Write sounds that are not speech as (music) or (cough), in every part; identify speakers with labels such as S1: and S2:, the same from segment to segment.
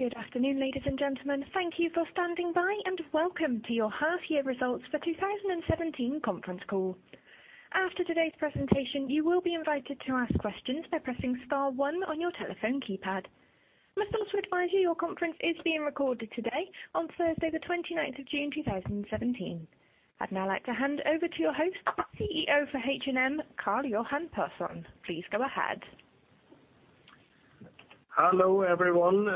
S1: Good afternoon, ladies and gentlemen. Thank you for standing by, and welcome to your half-year results for 2017 conference call. After today's presentation, you will be invited to ask questions by pressing star one on your telephone keypad. I must also advise you, your conference is being recorded today on Thursday, the 29th of June 2017. I'd now like to hand over to your host, CEO for H&M, Karl-Johan Persson. Please go ahead.
S2: Hello, everyone.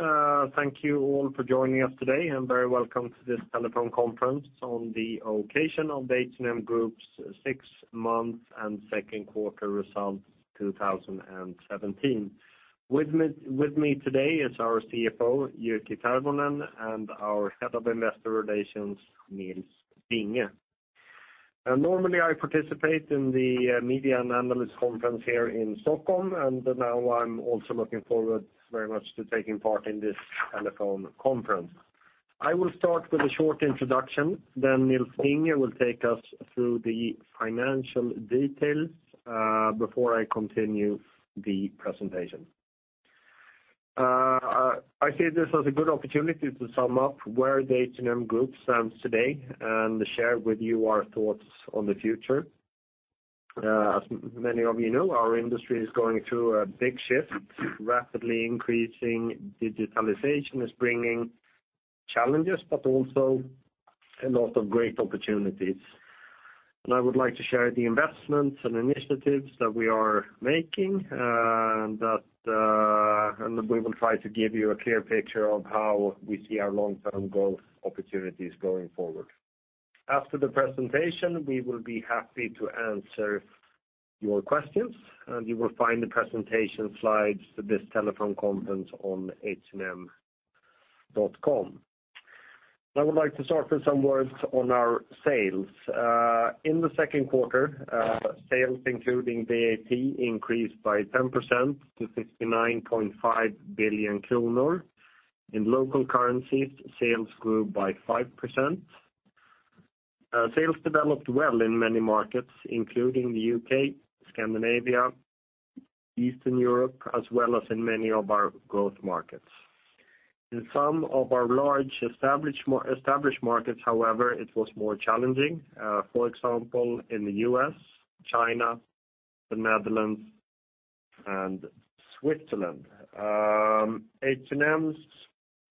S2: Thank you all for joining us today, and a very welcome to this telephone conference on the occasion of the H&M Group's six months and second quarter results 2017. With me today is our CFO, Jyrki Tervonen, and our Head of Investor Relations, Nils Vinge. Normally, I participate in the media and analyst conference here in Stockholm, now I'm also looking forward very much to taking part in this telephone conference. I will start with a short introduction, Nils Vinge will take us through the financial details before I continue the presentation. I see this as a good opportunity to sum up where the H&M Group stands today and share with you our thoughts on the future. As many of you know, our industry is going through a big shift. Rapidly increasing digitalization is bringing challenges, also a lot of great opportunities. I would like to share the investments and initiatives that we are making, and we will try to give you a clear picture of how we see our long-term growth opportunities going forward. After the presentation, we will be happy to answer your questions, and you will find the presentation slides for this telephone conference on hm.com. I would like to start with some words on our sales. In the second quarter, sales including VAT increased by 10% to 69.5 billion kronor. In local currencies, sales grew by 5%. Sales developed well in many markets, including the U.K., Scandinavia, Eastern Europe, as well as in many of our growth markets. In some of our large established markets, however, it was more challenging. For example, in the U.S., China, the Netherlands, and Switzerland. H&M's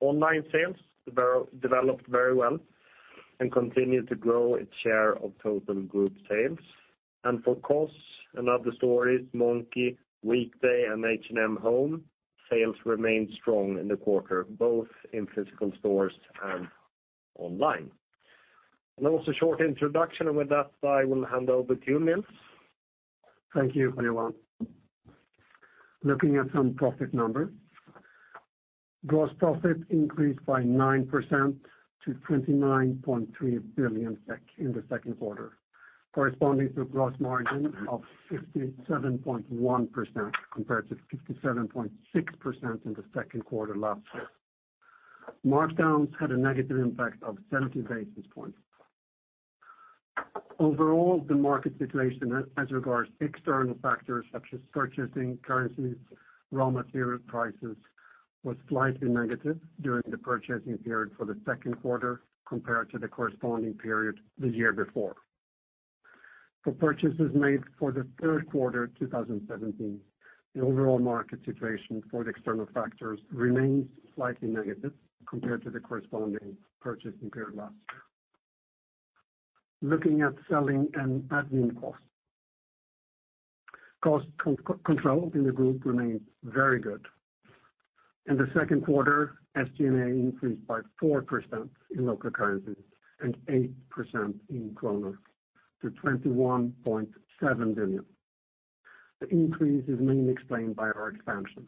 S2: online sales developed very well and continued to grow its share of total group sales. For COS, & Other Stories, Monki, Weekday, and H&M Home, sales remained strong in the quarter, both in physical stores and online. That was a short introduction. With that, I will hand over to you, Nils.
S3: Thank you, everyone. Looking at some profit numbers. Gross profit increased by 9% to 29.3 billion SEK in the second quarter, corresponding to a gross margin of 57.1% compared to 57.6% in the second quarter last year. Markdowns had a negative impact of 70 basis points. Overall, the market situation as regards to external factors such as purchasing, currencies, raw material prices, was slightly negative during the purchasing period for the second quarter compared to the corresponding period the year before. For purchases made for the third quarter 2017, the overall market situation for the external factors remains slightly negative compared to the corresponding purchasing period last year. Looking at selling and SG&A costs. Cost control in the group remained very good. In the second quarter, SG&A increased by 4% in local currencies and 8% in SEK to 21.7 billion kronor. The increase is mainly explained by our expansion.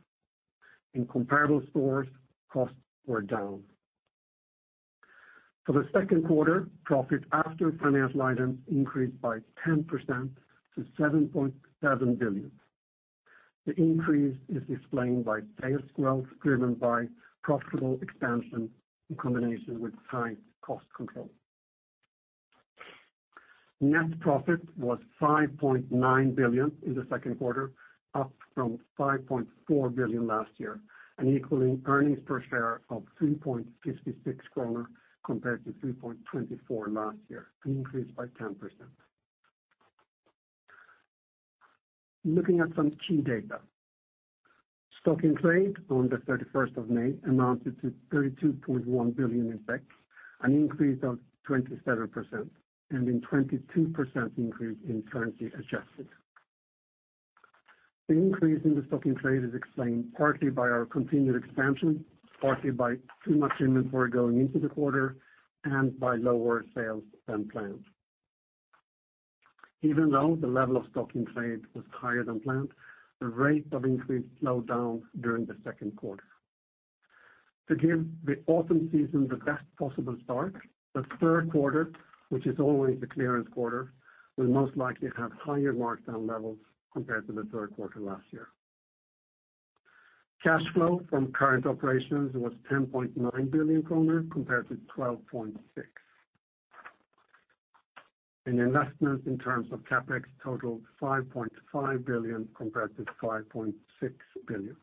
S3: In comparable stores, costs were down. For the second quarter, profit after finance items increased by 10% to 7.7 billion. The increase is explained by sales growth driven by profitable expansion in combination with tight cost control. Net profit was 5.9 billion in the second quarter, up from 5.4 billion last year, and equaling earnings per share of 3.56 kronor compared to 3.24 last year, an increase by 10%. Looking at some key data. Stock in trade on the 31st of May amounted to 32.1 billion, an increase of 27%, and a 22% increase when currency adjusted. The increase in the stock in trade is explained partly by our continued expansion, partly by too much inventory going into the quarter, and by lower sales than planned. Even though the level of stock in trade was higher than planned, the rate of increase slowed down during the second quarter. To give the autumn season the best possible start, the third quarter, which is always the clearance quarter, will most likely have higher markdown levels compared to the third quarter last year. Cash flow from current operations was 10.9 billion kronor compared to 12.6 billion. Investment in terms of CapEx totaled 5.5 billion compared to 5.6 billion.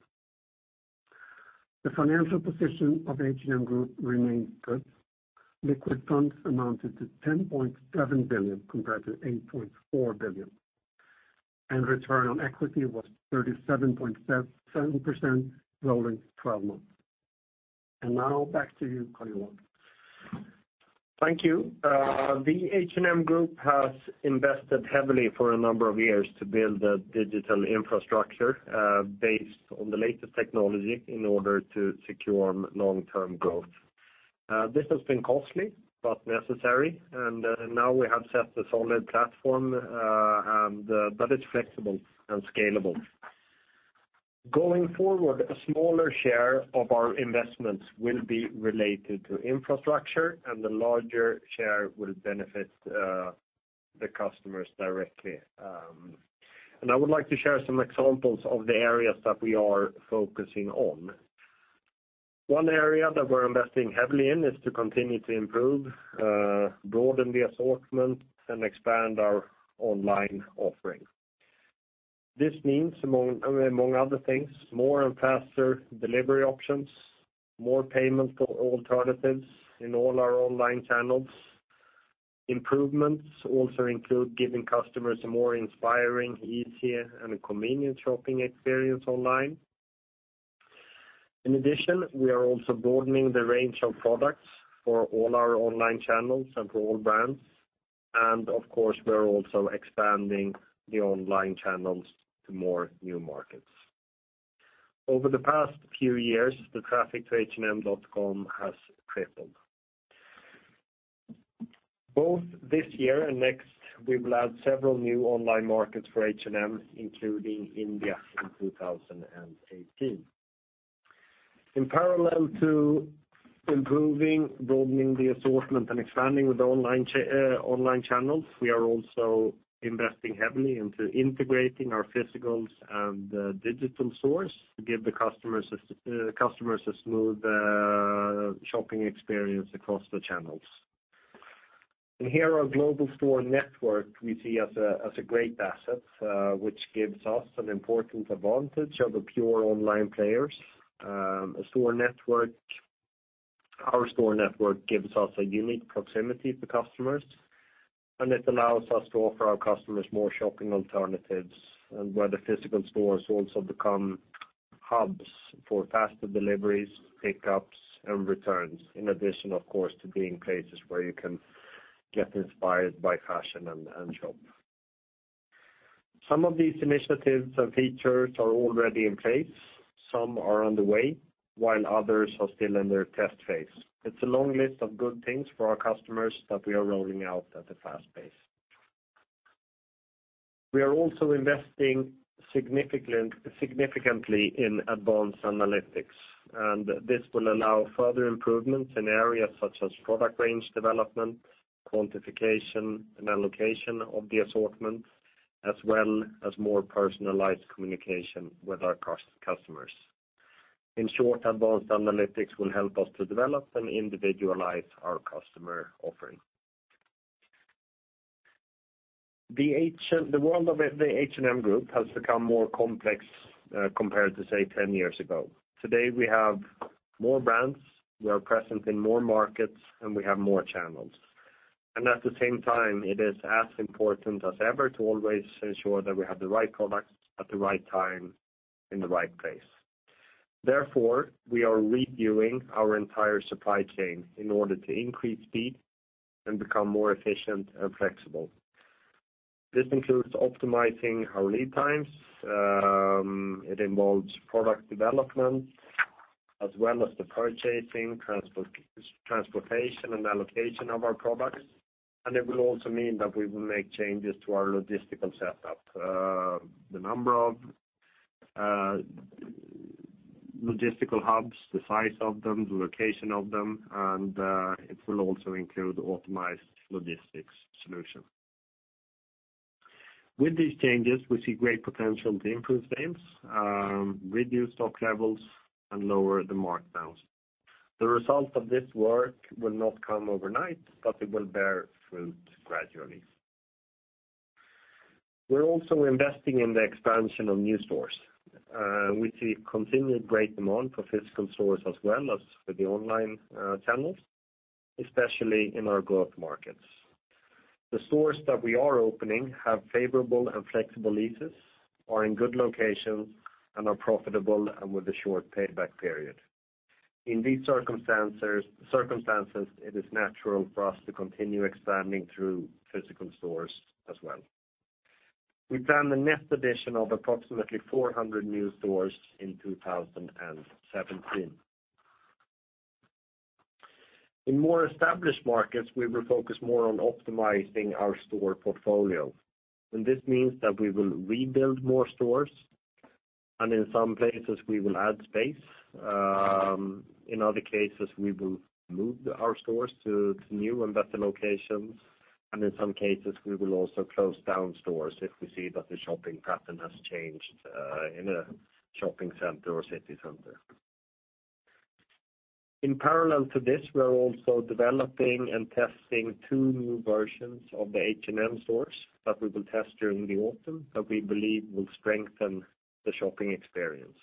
S3: The financial position of H&M Group remains good. Liquid funds amounted to 10.7 billion compared to 8.4 billion. Return on equity was 37.7% rolling 12 months. Now back to you, Karl-Johan.
S2: Thank you. The H&M Group has invested heavily for a number of years to build a digital infrastructure based on the latest technology in order to secure long-term growth. This has been costly but necessary, now we have set a solid platform that is flexible and scalable. Going forward, a smaller share of our investments will be related to infrastructure, the larger share will benefit the customers directly. I would like to share some examples of the areas that we are focusing on. One area that we're investing heavily in is to continue to improve, broaden the assortment, and expand our online offering. This means, among other things, more and faster delivery options, more payment alternatives in all our online channels. Improvements also include giving customers a more inspiring, easier, and convenient shopping experience online. We are also broadening the range of products for all our online channels and for all brands. Of course, we are also expanding the online channels to more new markets. Over the past few years, the traffic to hm.com has tripled. Both this year and next, we will add several new online markets for H&M, including India in 2018. In parallel to improving, broadening the assortment, and expanding with the online channels, we are also investing heavily into integrating our physical and digital stores to give the customers a smooth shopping experience across the channels. Here, our global store network we see as a great asset, which gives us an important advantage over pure online players. Our store network gives us a unique proximity to customers. It allows us to offer our customers more shopping alternatives, where the physical stores also become hubs for faster deliveries, pickups, and returns in addition, of course, to being places where you can get inspired by fashion and shop. Some of these initiatives and features are already in place. Some are on the way, while others are still in their test phase. It's a long list of good things for our customers that we are rolling out at a fast pace. We are also investing significantly in advanced analytics. This will allow further improvements in areas such as product range development, quantification, and allocation of the assortment, as well as more personalized communication with our customers. In short, advanced analytics will help us to develop and individualize our customer offering. The world of the H&M Group has become more complex compared to, say, 10 years ago. Today, we have more brands, we are present in more markets, we have more channels. At the same time, it is as important as ever to always ensure that we have the right products at the right time in the right place. Therefore, we are reviewing our entire supply chain in order to increase speed and become more efficient and flexible. This includes optimizing our lead times. It involves product development, as well as the purchasing, transportation, and allocation of our products. It will also mean that we will make changes to our logistical setup. The number of logistical hubs, the size of them, the location of them, it will also include optimized logistics solution. With these changes, we see great potential to improve sales, reduce stock levels, and lower the markdowns. The result of this work will not come overnight, but it will bear fruit gradually. We're also investing in the expansion of new stores. We see continued great demand for physical stores as well as for the online channels, especially in our growth markets. The stores that we are opening have favorable and flexible leases, are in good locations, and are profitable and with a short payback period. In these circumstances, it is natural for us to continue expanding through physical stores as well. We plan the net addition of approximately 400 new stores in 2017. In more established markets, we will focus more on optimizing our store portfolio. This means that we will rebuild more stores, and in some places, we will add space. In other cases, we will move our stores to new and better locations, and in some cases, we will also close down stores if we see that the shopping pattern has changed in a shopping center or city center. In parallel to this, we are also developing and testing two new versions of the H&M stores that we will test during the autumn, that we believe will strengthen the shopping experience.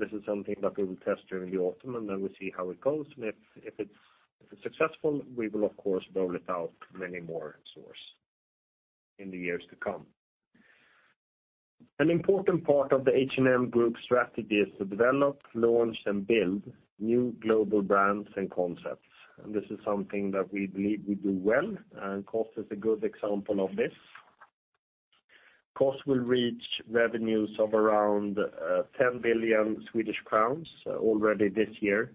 S2: This is something that we will test during the autumn, and then we see how it goes. If it's successful, we will, of course, roll it out many more stores in the years to come. An important part of the H&M Group strategy is to develop, launch and build new global brands and concepts. This is something that we believe we do well, and COS is a good example of this. COS will reach revenues of around 10 billion Swedish crowns already this year,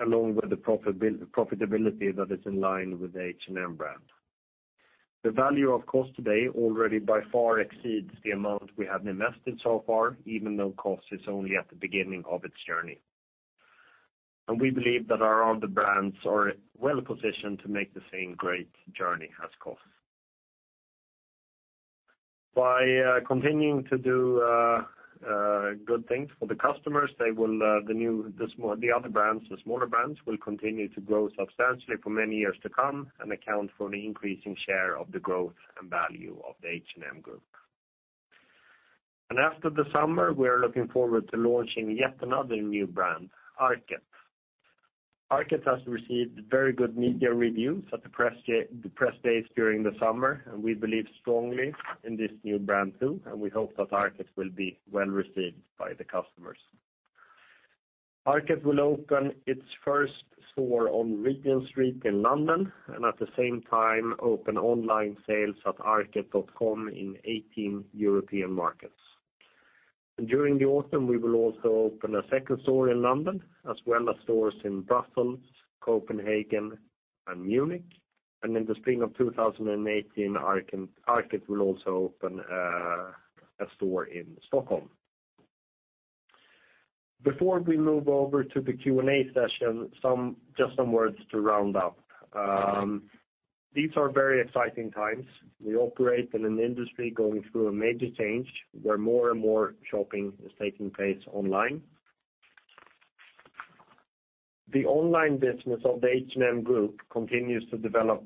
S2: along with the profitability that is in line with the H&M brand. The value of COS today already by far exceeds the amount we have invested so far, even though COS is only at the beginning of its journey. We believe that our other brands are well-positioned to make the same great journey as COS. By continuing to do good things for the customers, the other brands, the smaller brands, will continue to grow substantially for many years to come and account for an increasing share of the growth and value of the H&M Group. After the summer, we are looking forward to launching yet another new brand, ARKET. ARKET has received very good media reviews at the press days during the summer, and we believe strongly in this new brand too, and we hope that ARKET will be well-received by the customers. ARKET will open its first store on Regent Street in London, and at the same time open online sales at arket.com in 18 European markets. During the autumn, we will also open a second store in London, as well as stores in Brussels, Copenhagen and Munich. In the spring of 2018, ARKET will also open a store in Stockholm. Before we move over to the Q&A session, just some words to round up. These are very exciting times. We operate in an industry going through a major change, where more and more shopping is taking place online. The online business of the H&M Group continues to develop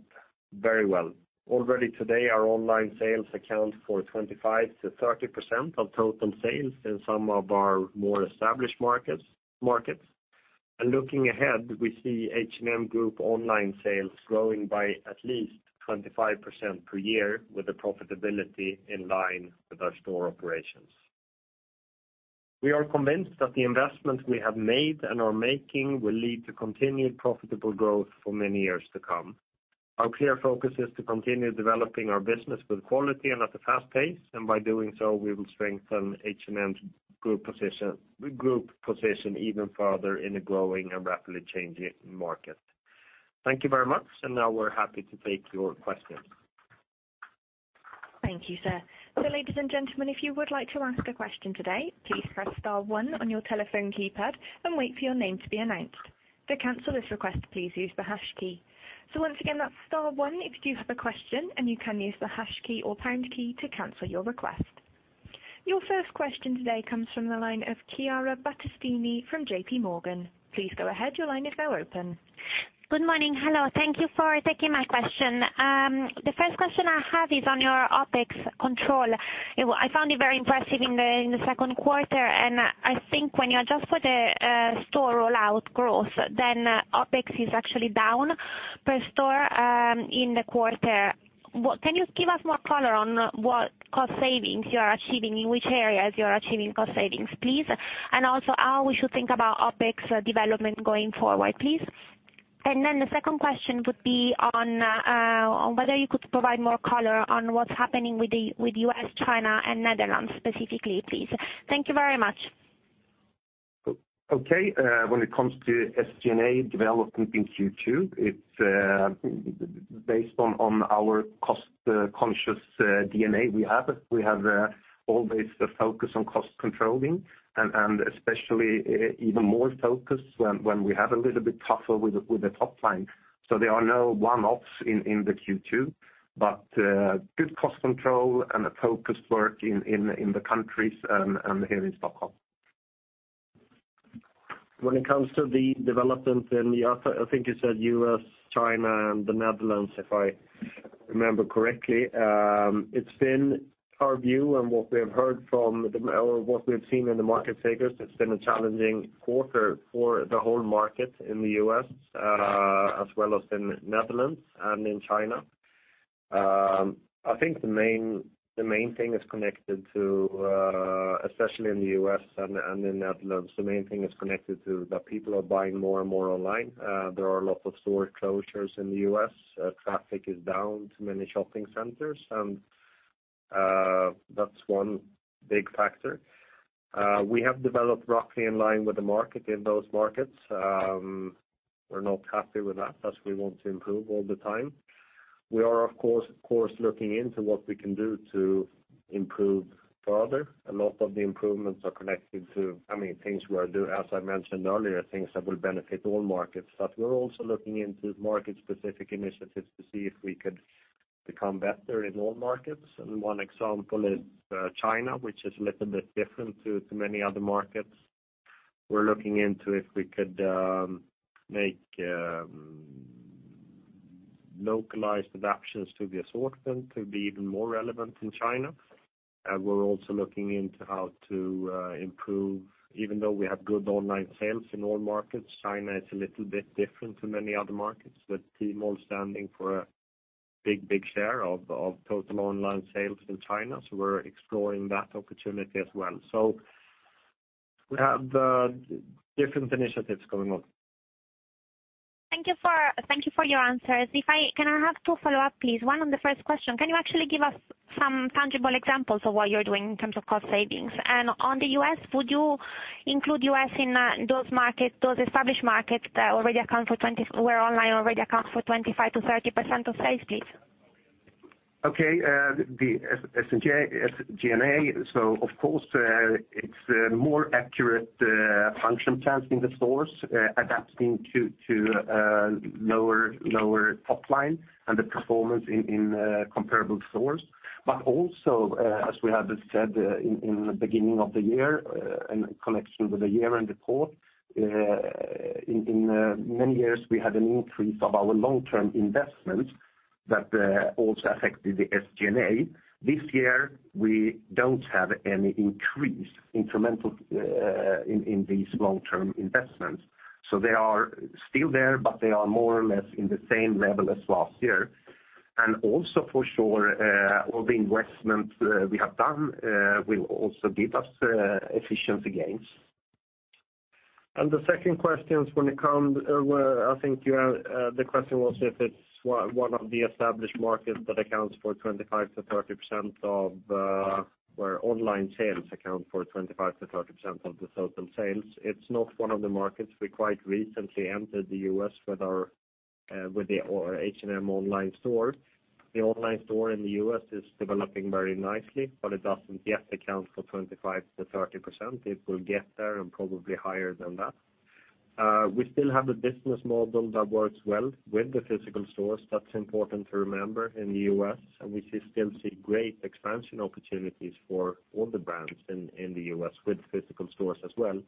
S2: very well. Already today, our online sales account for 25%-30% of total sales in some of our more established markets. Looking ahead, we see H&M Group online sales growing by at least 25% per year with the profitability in line with our store operations. We are convinced that the investments we have made and are making will lead to continued profitable growth for many years to come. Our clear focus is to continue developing our business with quality and at a fast pace, and by doing so, we will strengthen H&M Group position even further in a growing and rapidly changing market. Thank you very much, and now we're happy to take your questions.
S1: Thank you, sir. Ladies and gentlemen, if you would like to ask a question today, please press star one on your telephone keypad and wait for your name to be announced. To cancel this request, please use the hash key. Once again, that's star one if you do have a question, and you can use the hash key or pound key to cancel your request. Your first question today comes from the line of Chiara Battistini from JPMorgan. Please go ahead. Your line is now open.
S4: Good morning. Hello. Thank you for taking my question. The first question I have is on your OpEx control. I found it very impressive in the second quarter. I think when you adjust for the store rollout growth, OpEx is actually down per store in the quarter. Can you give us more color on what cost savings you are achieving, in which areas you are achieving cost savings, please? Also how we should think about OpEx development going forward, please. The second question would be on whether you could provide more color on what's happening with U.S., China and Netherlands specifically, please. Thank you very much.
S2: Okay. When it comes to SG&A development in Q2, it's based on our cost-conscious DNA we have. We have always the focus on cost controlling, and especially even more focus when we have a little bit tougher with the top line. There are no one-offs in the Q2, but good cost control and a focused work in the countries and here in Stockholm. When it comes to the development in the, I think you said U.S., China and the Netherlands, if I remember correctly. It's been our view and what we have seen in the market figures, it's been a challenging quarter for the whole market in the U.S., as well as in Netherlands and in China. I think the main thing is connected to, especially in the U.S. and in Netherlands, the main thing is connected to the people are buying more and more online. There are a lot of store closures in the U.S. Traffic is down to many shopping centers. That's one big factor. We have developed roughly in line with the market in those markets. We're not happy with that, as we want to improve all the time. We are, of course, looking into what we can do to improve further. A lot of the improvements are connected to, I mean, things we are as I mentioned earlier, things that will benefit all markets. We're also looking into market-specific initiatives to see if we could
S5: Become better in all markets. One example is China, which is a little bit different to many other markets. We are looking into if we could make localized adaptations to the assortment to be even more relevant in China. We are also looking into how to improve, even though we have good online sales in all markets, China is a little bit different to many other markets, with Tmall standing for a big share of total online sales in China. We are exploring that opportunity as well. We have different initiatives going on.
S4: Thank you for your answers. Can I have two follow-up, please? One on the first question, can you actually give us some tangible examples of what you are doing in terms of cost savings? On the U.S., would you include U.S. in those established markets where online already accounts for 25%-30% of sales, please?
S5: Okay. The SG&A, of course, it is more accurate function transfer in the stores, adapting to lower top line and the performance in comparable stores. Also, as we have said in the beginning of the year, in connection with the year-end report, in many years, we had an increase of our long-term investment that also affected the SG&A. This year, we do not have any increase incremental in these long-term investments. They are still there, but they are more or less in the same level as last year. Also for sure, all the investment we have done will also give us efficiency gains. The second question, I think the question was if it is one of the established markets where online sales account for 25%-30% of the total sales. It is not one of the markets. We quite recently entered the U.S. with the H&M online store. The online store in the U.S. is developing very nicely, but it does not yet account for 25%-30%. It will get there and probably higher than that. We still have a business model that works well with the physical stores. That is important to remember in the U.S., and we still see great expansion opportunities for all the brands in the U.S. with physical stores as well.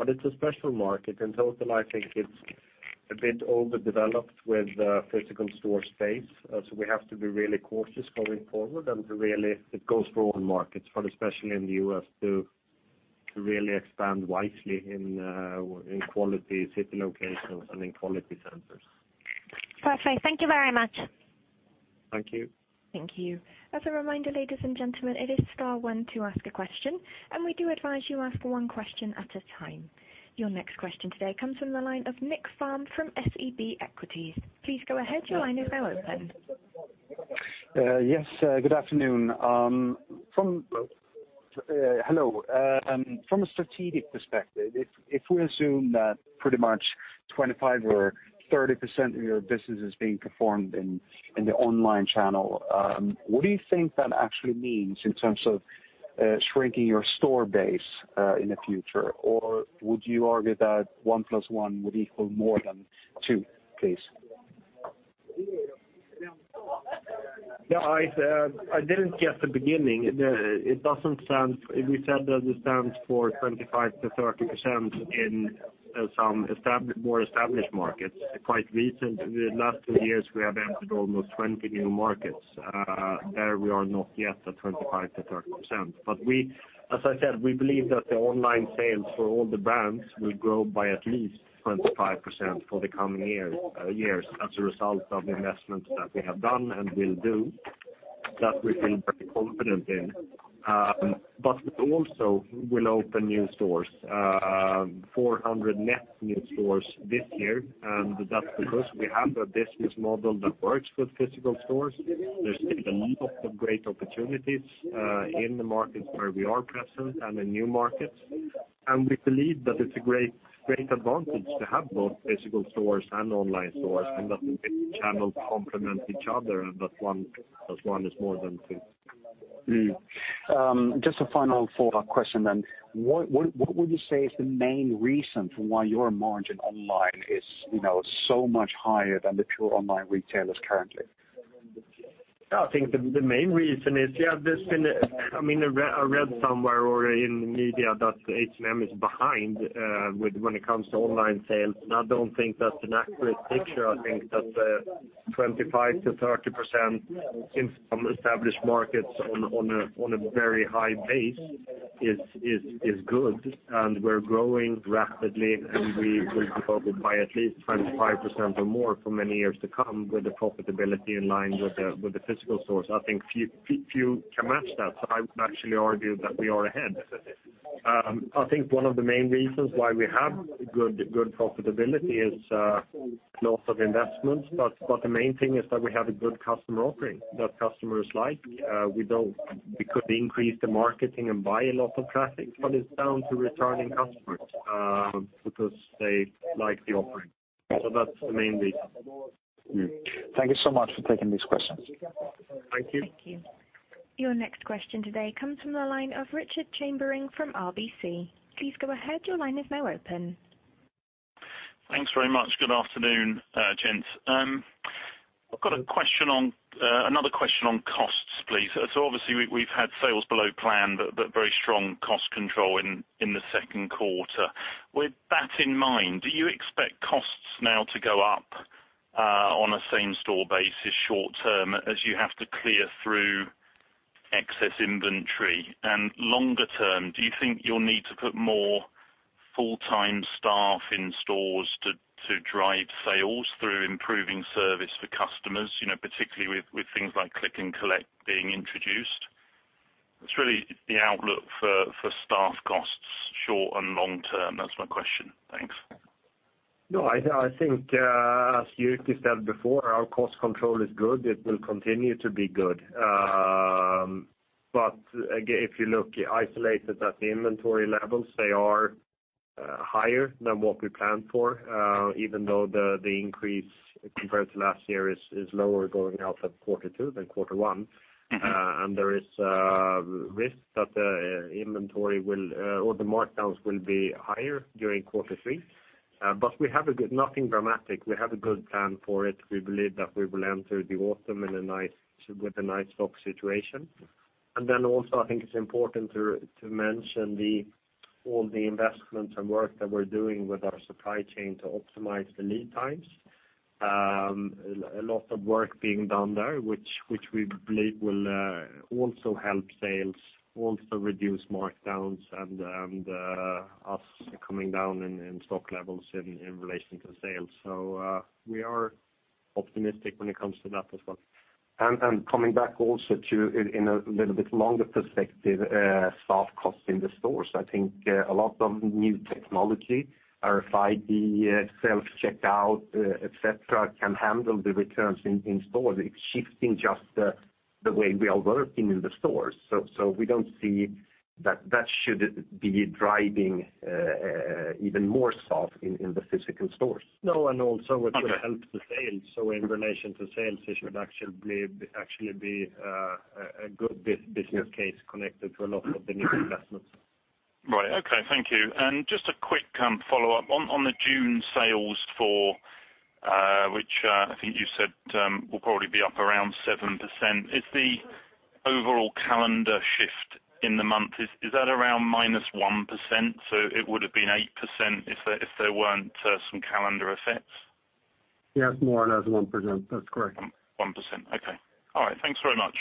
S5: It is a special market, and total, I think it is a bit overdeveloped with physical store space. We have to be really cautious going forward and really, it goes for all markets, but especially in the U.S., to really expand wisely in quality city locations and in quality centers.
S4: Perfect. Thank you very much.
S5: Thank you.
S1: Thank you. As a reminder, ladies and gentlemen, it is star one to ask a question, and we do advise you ask one question at a time. Your next question today comes from the line of Nick Farm from SEB Equities. Please go ahead. Your line is now open.
S6: Yes, good afternoon. Hello. From a strategic perspective, if we assume that pretty much 25% or 30% of your business is being performed in the online channel, what do you think that actually means in terms of shrinking your store base in the future? Or would you argue that one plus one would equal more than two, please?
S5: I didn't get the beginning. We said that it stands for 25%-30% in some more established markets. Quite recently, the last two years, we have entered almost 20 new markets. There, we are not yet at 25%-30%. As I said, we believe that the online sales for all the brands will grow by at least 25% for the coming years as a result of investments that we have done and will do. That we feel very confident in. We also will open new stores, 400 net new stores this year. That's because we have a business model that works with physical stores. There's still a lot of great opportunities in the markets where we are present and in new markets. We believe that it's a great advantage to have both physical stores and online stores, and that the two channels complement each other, and that one plus one is more than two.
S6: Just a final follow-up question then. What would you say is the main reason for why your margin online is so much higher than the pure online retailers currently?
S5: I think the main reason is, I read somewhere or in the media that H&M is behind when it comes to online sales, I don't think that's an accurate picture. I think that the 25%-30% in some established markets on a very high base is good, we're growing rapidly, we will grow by at least 25% or more for many years to come with the profitability in line with the physical stores. I think few can match that. I would actually argue that we are ahead. I think one of the main reasons why we have good profitability is lots of investments. The main thing is that we have a good customer offering that customers like. We could increase the marketing and buy a lot of traffic, but it's down to returning customers because they like the offering. That's the main reason.
S6: Thank you so much for taking these questions.
S5: Thank you.
S1: Thank you. Your next question today comes from the line of Richard Chamberlain from RBC. Please go ahead. Your line is now open.
S7: Thanks very much. Good afternoon, gents. I've got another question on costs, please. Obviously we've had sales below plan, but very strong cost control in the second quarter. With that in mind, do you expect costs now to go up on a same-store basis short term as you have to clear through excess inventory? Longer term, do you think you'll need to put more full-time staff in stores to drive sales through improving service for customers, particularly with things like click and collect being introduced? It's really the outlook for staff costs, short and long term. That's my question. Thanks.
S2: I think, as Jyrki said before, our cost control is good. It will continue to be good. Again, if you look isolated at the inventory levels, they are higher than what we planned for. Even though the increase compared to last year is lower going out at quarter 2 than quarter 1. There is a risk that the inventory will, or the markdowns will be higher during quarter 3. We have a good, nothing dramatic. We have a good plan for it. We believe that we will enter the autumn with a nice stock situation. Also I think it's important to mention all the investments and work that we're doing with our supply chain to optimize the lead times. A lot of work being done there, which we believe will also help sales, also reduce markdowns and us coming down in stock levels in relation to sales. We are optimistic when it comes to that as well. Coming back also to, in a little bit longer perspective, staff costs in the stores. I think a lot of new technology, RFID, self-checkout, et cetera, can handle the returns in stores. It's shifting just the way we are working in the stores. We don't see that that should be driving even more staff in the physical stores. It will help the sales. In relation to sales, it should actually be a good business case connected to a lot of the new investments.
S7: Right. Okay. Thank you. Just a quick follow-up. On the June sales for, which I think you said will probably be up around 7%. Is the overall calendar shift in the month, is that around -1%? It would've been 8% if there weren't some calendar effects?
S2: Yes, more or less 1%. That's correct.
S7: 1%. Okay. All right. Thanks very much.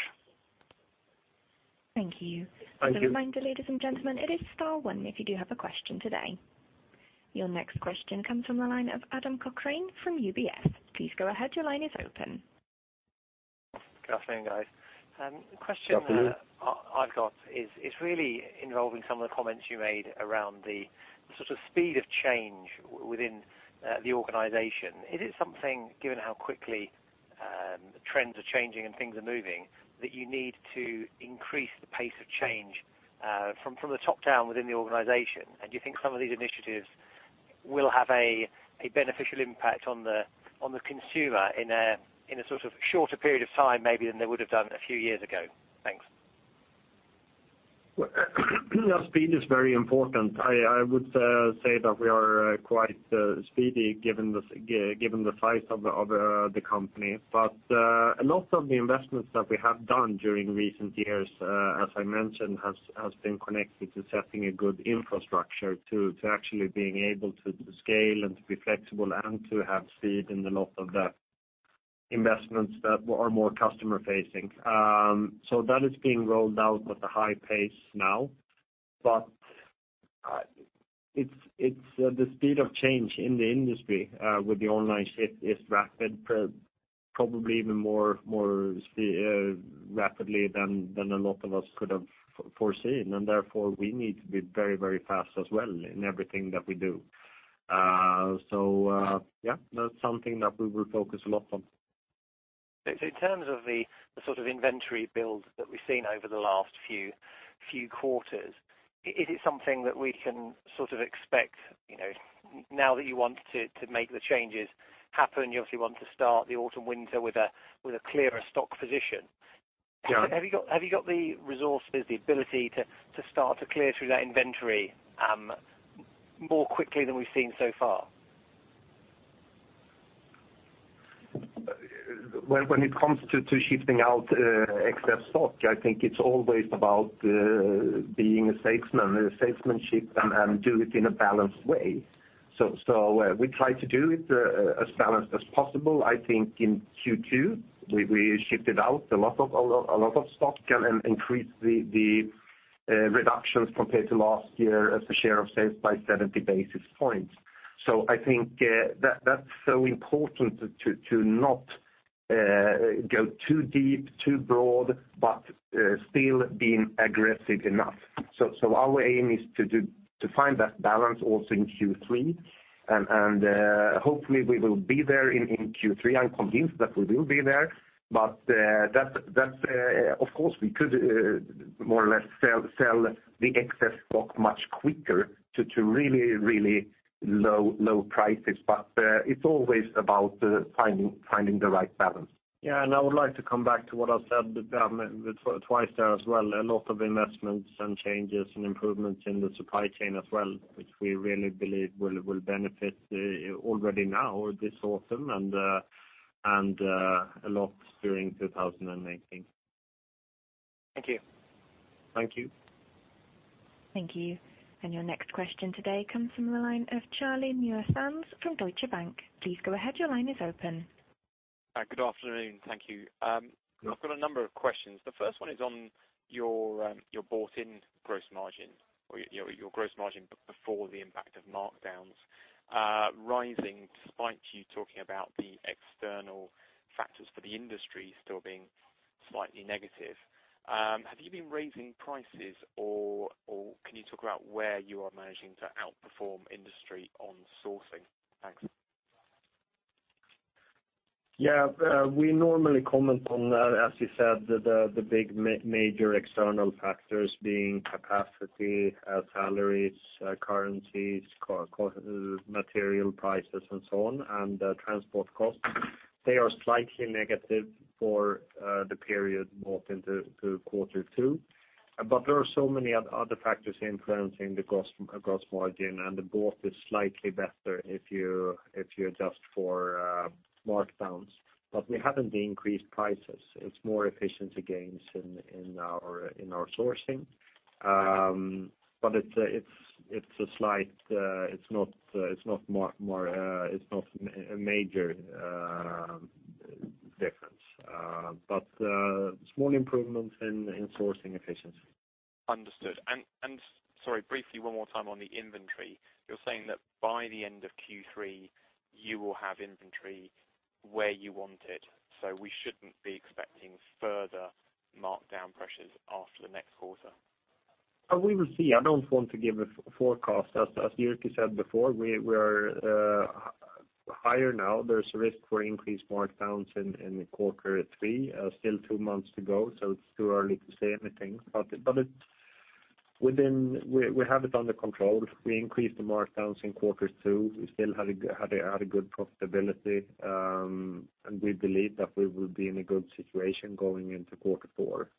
S1: Thank you.
S2: Thank you.
S1: As a reminder, ladies and gentlemen, it is star one if you do have a question today. Your next question comes from the line of Adam Cochrane from UBS. Please go ahead. Your line is open.
S8: Good afternoon, guys.
S2: Afternoon.
S8: The question I've got is really involving some of the comments you made around the sort of speed of change within the organization. Is it something, given how quickly trends are changing and things are moving, that you need to increase the pace of change from the top down within the organization? Do you think some of these initiatives will have a beneficial impact on the consumer in a sort of shorter period of time maybe than they would've done a few years ago? Thanks.
S2: Well, speed is very important. I would say that we are quite speedy given the size of the company. A lot of the investments that we have done during recent years, as I mentioned, has been connected to setting a good infrastructure to actually being able to scale and to be flexible and to have speed in a lot of the investments that are more customer-facing. That is being rolled out at a high pace now. The speed of change in the industry, with the online shift, is rapid, probably even more rapidly than a lot of us could have foreseen. Therefore, we need to be very, very fast as well in everything that we do. Yeah. That's something that we will focus a lot on.
S8: In terms of the sort of inventory build that we've seen over the last few quarters, is it something that we can sort of expect, now that you want to make the changes happen, you obviously want to start the autumn/winter with a clearer stock position.
S2: Yeah.
S8: Have you got the resources, the ability to start to clear through that inventory more quickly than we've seen so far?
S2: When it comes to shifting out excess stock, I think it's always about being a salesman, salesmanship, and do it in a balanced way. We try to do it as balanced as possible. I think in Q2, we shifted out a lot of stock and increased the reductions compared to last year as a share of sales by 70 basis points. I think that's so important to not go too deep, too broad, but still being aggressive enough. Our aim is to find that balance also in Q3. Hopefully we will be there in Q3. I'm convinced that we will be there. That's, of course we could more or less sell the excess stock much quicker to really, really low prices. It's always about finding the right balance. Yeah, and I would like to come back to what I said twice there as well. A lot of investments and changes and improvements in the supply chain as well, which we really believe will benefit already now this autumn and a lot during 2018.
S8: Thank you.
S2: Thank you.
S1: Thank you. Your next question today comes from the line of Charlie Newlands from Deutsche Bank. Please go ahead. Your line is open.
S9: Good afternoon. Thank you. I have got a number of questions. The first one is on your bought-in gross margin or your gross margin before the impact of markdowns rising despite you talking about the external factors for the industry still being slightly negative. Have you been raising prices or can you talk about where you are managing to outperform industry on sourcing? Thanks.
S2: We normally comment on that, as you said, the big major external factors being capacity, salaries, currencies, material prices and so on, and transport costs. They are slightly negative for the period bought into quarter two. There are so many other factors influencing the gross margin and the bought is slightly better if you adjust for markdowns. We haven't increased prices. It's more efficiency gains in our sourcing. It's a slight, it's not a major difference. Small improvements in sourcing efficiency.
S9: Understood. Sorry, briefly, one more time on the inventory. You're saying that by the end of Q3, you will have inventory where you want it, we shouldn't be expecting further markdown pressures after the next quarter?
S2: We will see. I don't want to give a forecast. As Jyrki said before, we are higher now. There's a risk for increased markdowns in quarter three. Still two months to go, it's too early to say anything. We have it under control. We increased the markdowns in quarter two. We still had a good profitability. We believe that we will be in a good situation going into quarter four.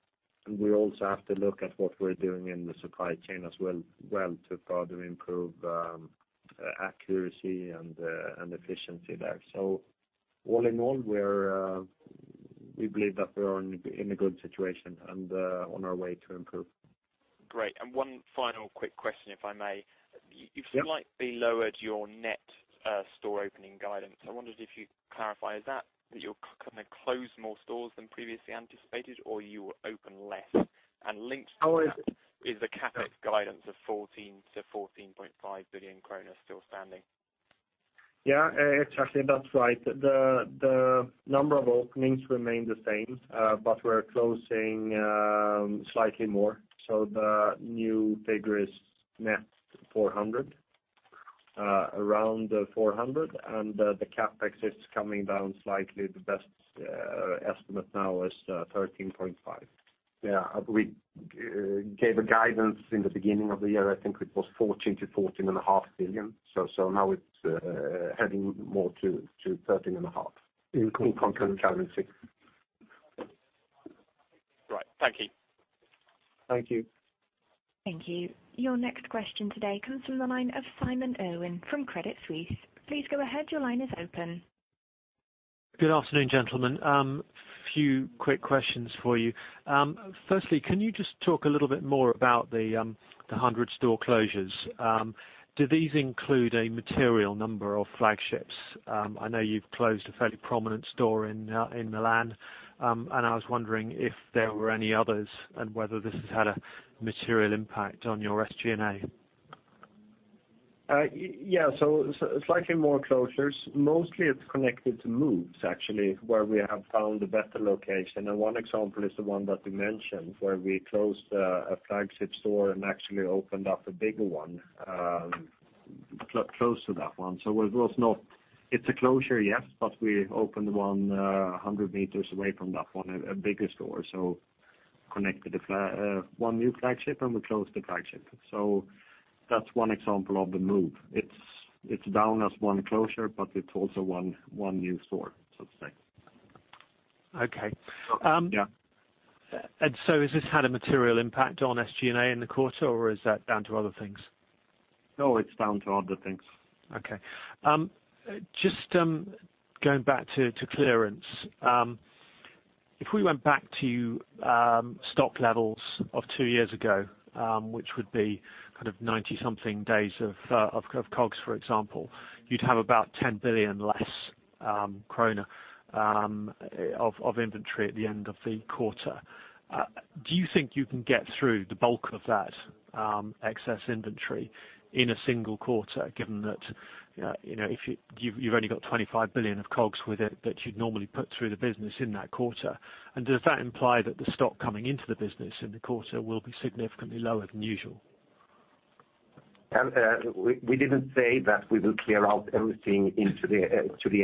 S2: We also have to look at what we're doing in the supply chain as well to further improve accuracy and efficiency there. All in all, we believe that we are in a good situation and on our way to improve.
S9: Great. One final quick question, if I may.
S2: Yep.
S9: You've slightly lowered your net store opening guidance. I wondered if you clarify. Is that you're going to close more stores than previously anticipated, or you will open less? Linked to that is the CapEx guidance of 14 billion-14.5 billion kronor still standing.
S2: Yeah. Exactly. That's right. The number of openings remain the same. We're closing slightly more. The new figure is net 400, around 400. The CapEx is coming down slightly. The best estimate now is 13.5 billion.
S5: Yeah. We gave a guidance in the beginning of the year. I think it was 14 billion-14.5 billion. Now it's heading more to 13.5 billion in current currency.
S9: Right. Thank you.
S5: Thank you.
S1: Thank you. Your next question today comes from the line of Simon Irwin from Credit Suisse. Please go ahead. Your line is open.
S10: Good afternoon, gentlemen. Few quick questions for you. Firstly, can you just talk a little bit more about the 100 store closures? Do these include a material number of flagships? I know you've closed a fairly prominent store in Milan. I was wondering if there were any others and whether this has had a material impact on your SG&A.
S2: Yeah. Slightly more closures. Mostly it's connected to moves, actually, where we have found a better location. One example is the one that you mentioned where we closed a flagship store and actually opened up a bigger one close to that one. It's a closure, yes, but we opened one 100 meters away from that one, a bigger store. Connected one new flagship, and we closed the flagship. That's one example of the move. It's down as one closure, but it's also one new store, so to say.
S10: Okay.
S2: Yeah.
S10: Has this had a material impact on SG&A in the quarter, or is that down to other things?
S2: No, it's down to other things.
S10: Okay. Just going back to clearance. If we went back to stock levels of two years ago, which would be kind of 90 something days of COGS, for example, you'd have about 10 billion kronor less of inventory at the end of the quarter. Do you think you can get through the bulk of that excess inventory in a single quarter, given that you've only got 25 billion of COGS with it that you'd normally put through the business in that quarter? Does that imply that the stock coming into the business in the quarter will be significantly lower than usual?
S5: We didn't say that we will clear out everything into the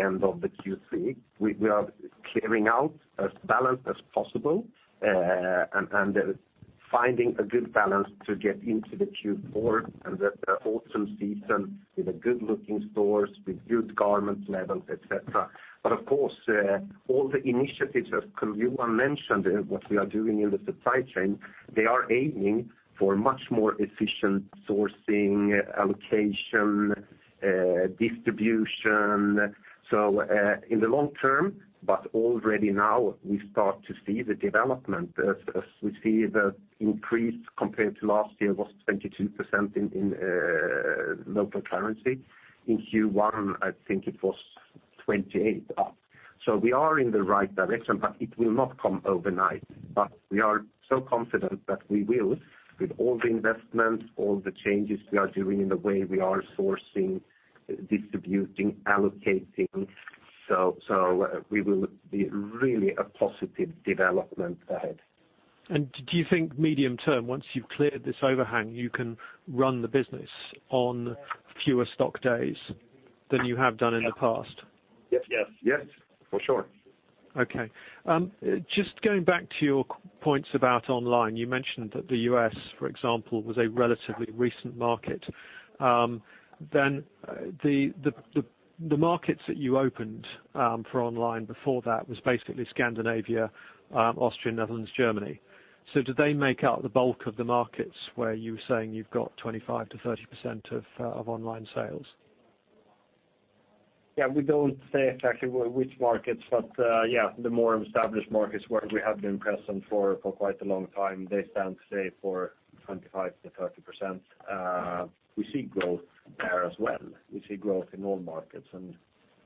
S5: end of the Q3. We are clearing out as balanced as possible, and finding a good balance to get into the Q4 and the autumn season with good-looking stores, with good garment levels, et cetera. Of course, all the initiatives, as Johan mentioned, what we are doing in the supply chain, they are aiming for much more efficient sourcing, allocation, distribution. In the long term, but already now, we start to see the development. As we see the increase compared to last year was 22% in local currency. In Q1, I think it was
S2: 28 up. We are in the right direction, but it will not come overnight. We are so confident that we will, with all the investments, all the changes we are doing in the way we are sourcing, distributing, allocating. We will be really a positive development ahead.
S10: Do you think medium term, once you've cleared this overhang, you can run the business on fewer stock days than you have done in the past?
S2: Yes. For sure.
S10: Okay. Just going back to your points about online, you mentioned that the U.S., for example, was a relatively recent market. The markets that you opened for online before that was basically Scandinavia, Austria, Netherlands, Germany. Do they make up the bulk of the markets where you were saying you've got 25%-30% of online sales?
S2: Yeah, we don't say exactly which markets, but, yeah, the more established markets where we have been present for quite a long time, they stand today for 25%-30%. We see growth there as well. We see growth in all markets, and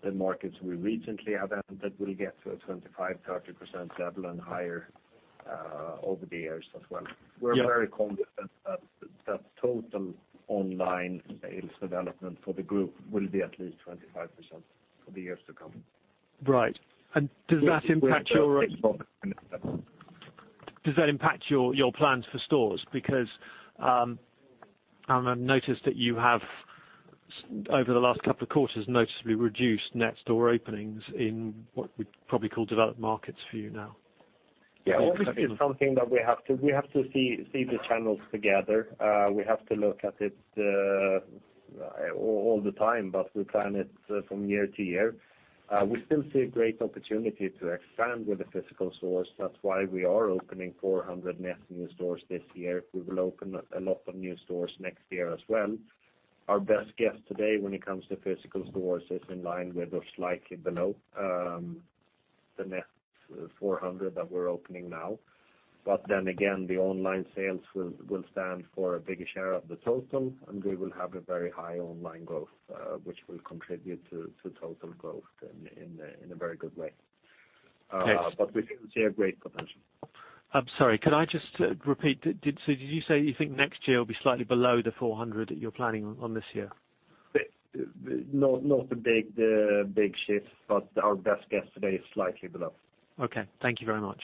S2: the markets we recently have entered will get to a 25%, 30% level and higher over the years as well.
S10: Yeah.
S2: We're very confident that total online sales development for the group will be at least 25% for the years to come.
S10: Right. Does that impact your-
S2: With the exception of
S10: Does that impact your plans for stores? I've noticed that you have, over the last couple of quarters, noticeably reduced net store openings in what we'd probably call developed markets for you now.
S2: Obviously, it's something that we have to see the channels together. We have to look at it all the time, we plan it from year to year. We still see a great opportunity to expand with the physical stores. That's why we are opening 400 net new stores this year. We will open a lot of new stores next year as well. Our best guess today when it comes to physical stores is in line with or slightly below the net 400 that we're opening now. The online sales will stand for a bigger share of the total, and we will have a very high online growth, which will contribute to total growth in a very good way.
S10: Okay.
S2: We still see a great potential.
S10: I'm sorry. Could I just repeat? Did you say you think next year will be slightly below the 400 that you're planning on this year?
S2: Not a big shift, but our best guess today is slightly below.
S10: Okay. Thank you very much.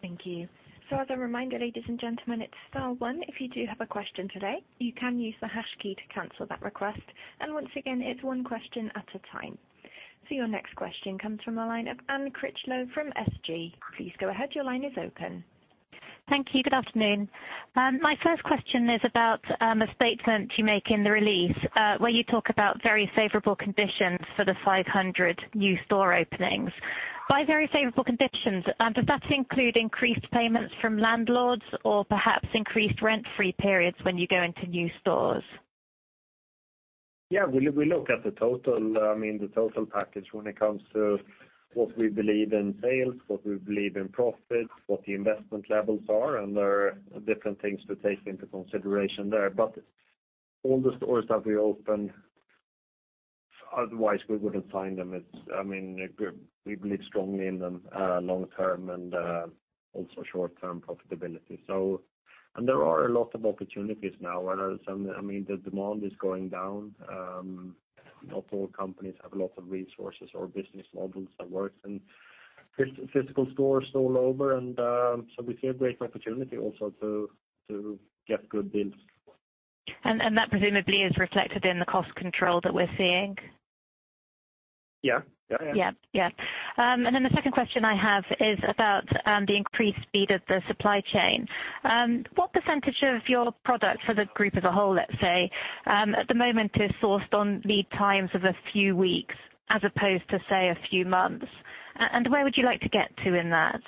S1: Thank you. As a reminder, ladies and gentlemen, it's star 1 if you do have a question today. You can use the hash key to cancel that request. Once again, it's one question at a time. Your next question comes from the line of Anne Critchlow from SG. Please go ahead. Your line is open.
S11: Thank you. Good afternoon. My first question is about a statement you make in the release, where you talk about very favorable conditions for the 500 new store openings. By very favorable conditions, does that include increased payments from landlords or perhaps increased rent-free periods when you go into new stores?
S2: Yeah, we look at the total package when it comes to what we believe in sales, what we believe in profit, what the investment levels are. There are different things to take into consideration there. All the stores that we open, otherwise we wouldn't sign them. We believe strongly in them, long-term and also short-term profitability. There are a lot of opportunities now where the demand is going down. Not all companies have lots of resources or business models that work in physical stores all over. We see a great opportunity also to get good deals.
S11: That presumably is reflected in the cost control that we're seeing?
S2: Yeah.
S11: Yeah. The second question I have is about the increased speed of the supply chain. What % of your product for the group as a whole, let's say, at the moment is sourced on lead times of a few weeks as opposed to, say, a few months? Where would you like to get to in that?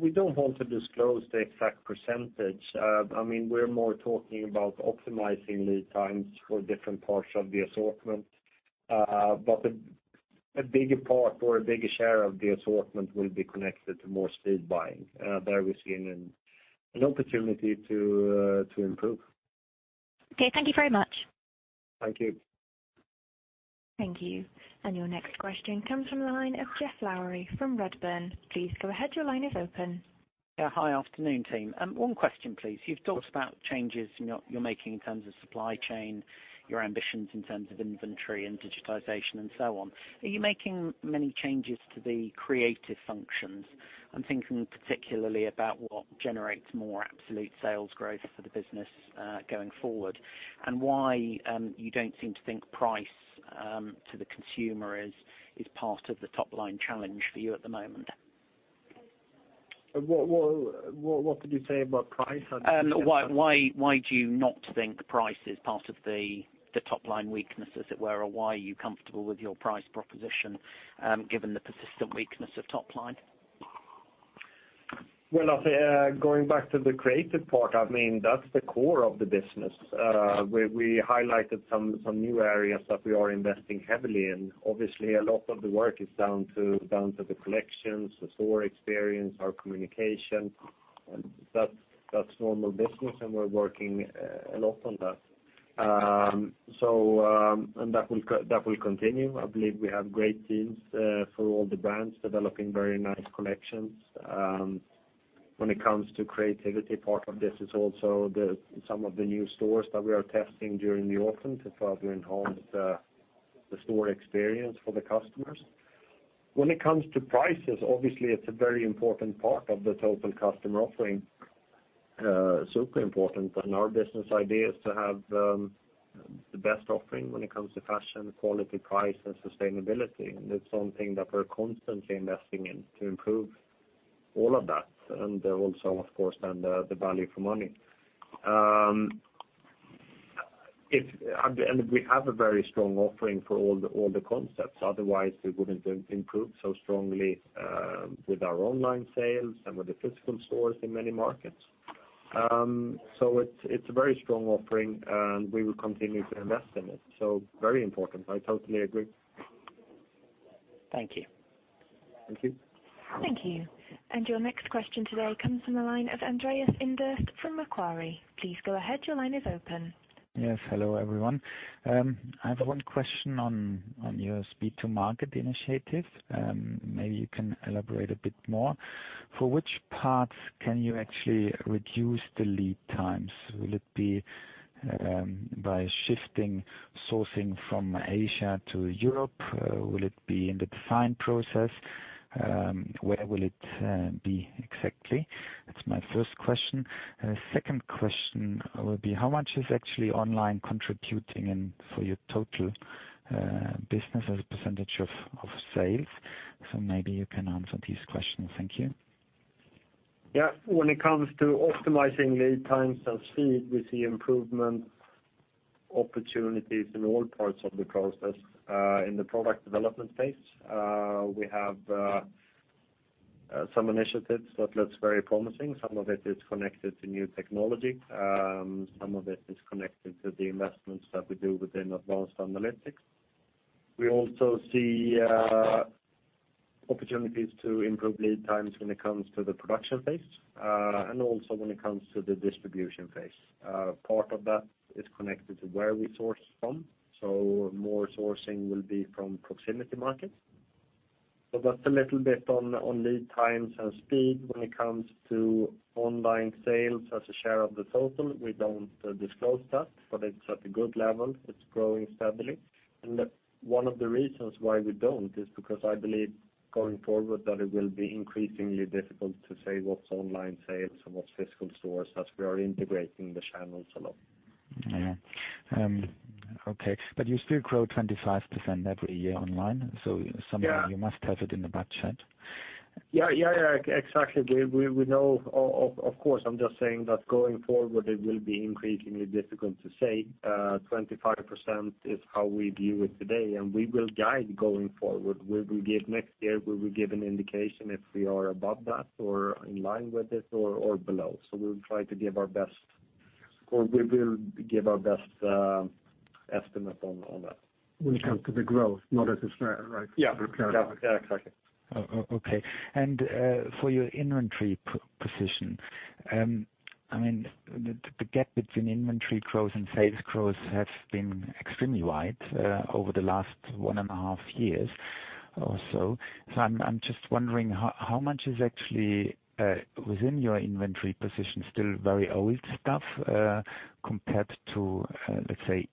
S2: We don't want to disclose the exact %. We're more talking about optimizing lead times for different parts of the assortment. A bigger part or a bigger share of the assortment will be connected to more speed buying. There we see an opportunity to improve.
S11: Okay. Thank you very much.
S2: Thank you.
S1: Thank you. Your next question comes from the line of Geoff Lowery from Redburn. Please go ahead. Your line is open.
S12: Yeah. Hi. Afternoon, team. One question, please. You've talked about changes you're making in terms of supply chain, your ambitions in terms of inventory and digitization and so on. Are you making many changes to the creative functions? I'm thinking particularly about what generates more absolute sales growth for the business going forward, and why you don't seem to think price, to the consumer, is part of the top-line challenge for you at the moment.
S2: What would you say about price? I'm just not sure.
S12: Why do you not think price is part of the top-line weakness, as it were? Why are you comfortable with your price proposition given the persistent weakness of top line?
S2: Well, going back to the creative part, that's the core of the business. We highlighted some new areas that we are investing heavily in. Obviously, a lot of the work is down to the collections, the store experience, our communication. That's normal business, and we're working a lot on that. That will continue. I believe we have great teams for all the brands developing very nice collections. When it comes to creativity, part of this is also some of the new stores that we are testing during the autumn to further enhance the store experience for the customers. When it comes to prices, obviously, it's a very important part of the total customer offering. Super important. Our business idea is to have the best offering when it comes to fashion, quality, price, and sustainability. It's something that we're constantly investing in to improve all of that, and also, of course, the value for money. We have a very strong offering for all the concepts. Otherwise, we wouldn't have improved so strongly with our online sales and with the physical stores in many markets. It's a very strong offering, and we will continue to invest in it. Very important, I totally agree.
S12: Thank you.
S2: Thank you.
S1: Thank you. Your next question today comes from the line of Andreas Inderst from Macquarie. Please go ahead. Your line is open.
S13: Yes. Hello, everyone. I have one question on your speed to market initiative. Maybe you can elaborate a bit more. For which parts can you actually reduce the lead times? Will it be by shifting sourcing from Asia to Europe? Will it be in the design process? Where will it be exactly? That's my first question. Second question will be, how much is actually online contributing for your total business as a percentage of sales? Maybe you can answer these questions. Thank you.
S2: When it comes to optimizing lead times and speed, we see improvement opportunities in all parts of the process. In the product development phase, we have some initiatives that looks very promising. Some of it is connected to new technology. Some of it is connected to the investments that we do within advanced analytics. We also see opportunities to improve lead times when it comes to the production phase, and also when it comes to the distribution phase. Part of that is connected to where we source from. More sourcing will be from proximity markets. That's a little bit on lead times and speed. When it comes to online sales as a share of the total, we don't disclose that, but it's at a good level. It's growing steadily. One of the reasons why we don't is because I believe going forward that it will be increasingly difficult to say what's online sales and what's physical stores, as we are integrating the channels a lot.
S13: You still grow 25% every year online.
S2: Yeah
S13: Somehow you must have it in the budget.
S2: Yeah, exactly. We know, of course. I'm just saying that going forward, it will be increasingly difficult to say. 25% is how we view it today, and we will guide going forward. Next year, we will give an indication if we are above that or in line with it or below. We will give our best estimate on that.
S3: When it comes to the growth, not as a share, right?
S2: Yeah.
S3: Okay.
S2: Yeah, exactly.
S13: Okay. For your inventory position, the gap between inventory growth and sales growth has been extremely wide over the last one and a half years or so. I'm just wondering, how much is actually within your inventory position still very old stuff compared to, let's say,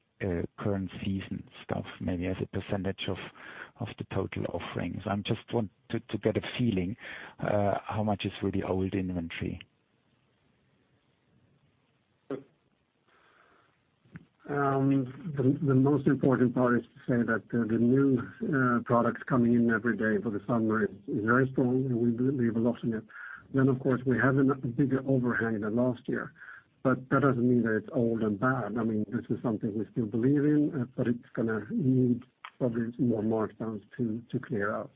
S13: current season stuff, maybe as a % of the total offerings? I just want to get a feeling how much is really old inventory.
S3: The most important part is to say that the new products coming in every day for the summer is very strong. We will be launching it. Of course, we have a bigger overhang than last year, but that doesn't mean that it's old and bad. This is something we still believe in, but it's going to need probably more markdowns to clear out.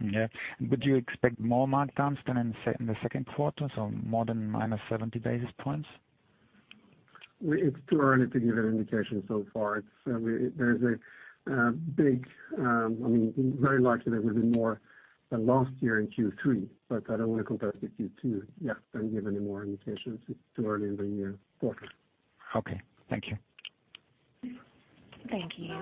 S13: Yeah. Would you expect more markdowns than in the second quarter, so more than minus 70 basis points?
S3: It's too early to give an indication so far. Very likely there will be more than last year in Q3. I don't want to compare it to Q2. Yeah, can't give any more indications. It's too early in the year, of course.
S13: Okay. Thank you.
S1: Thank you.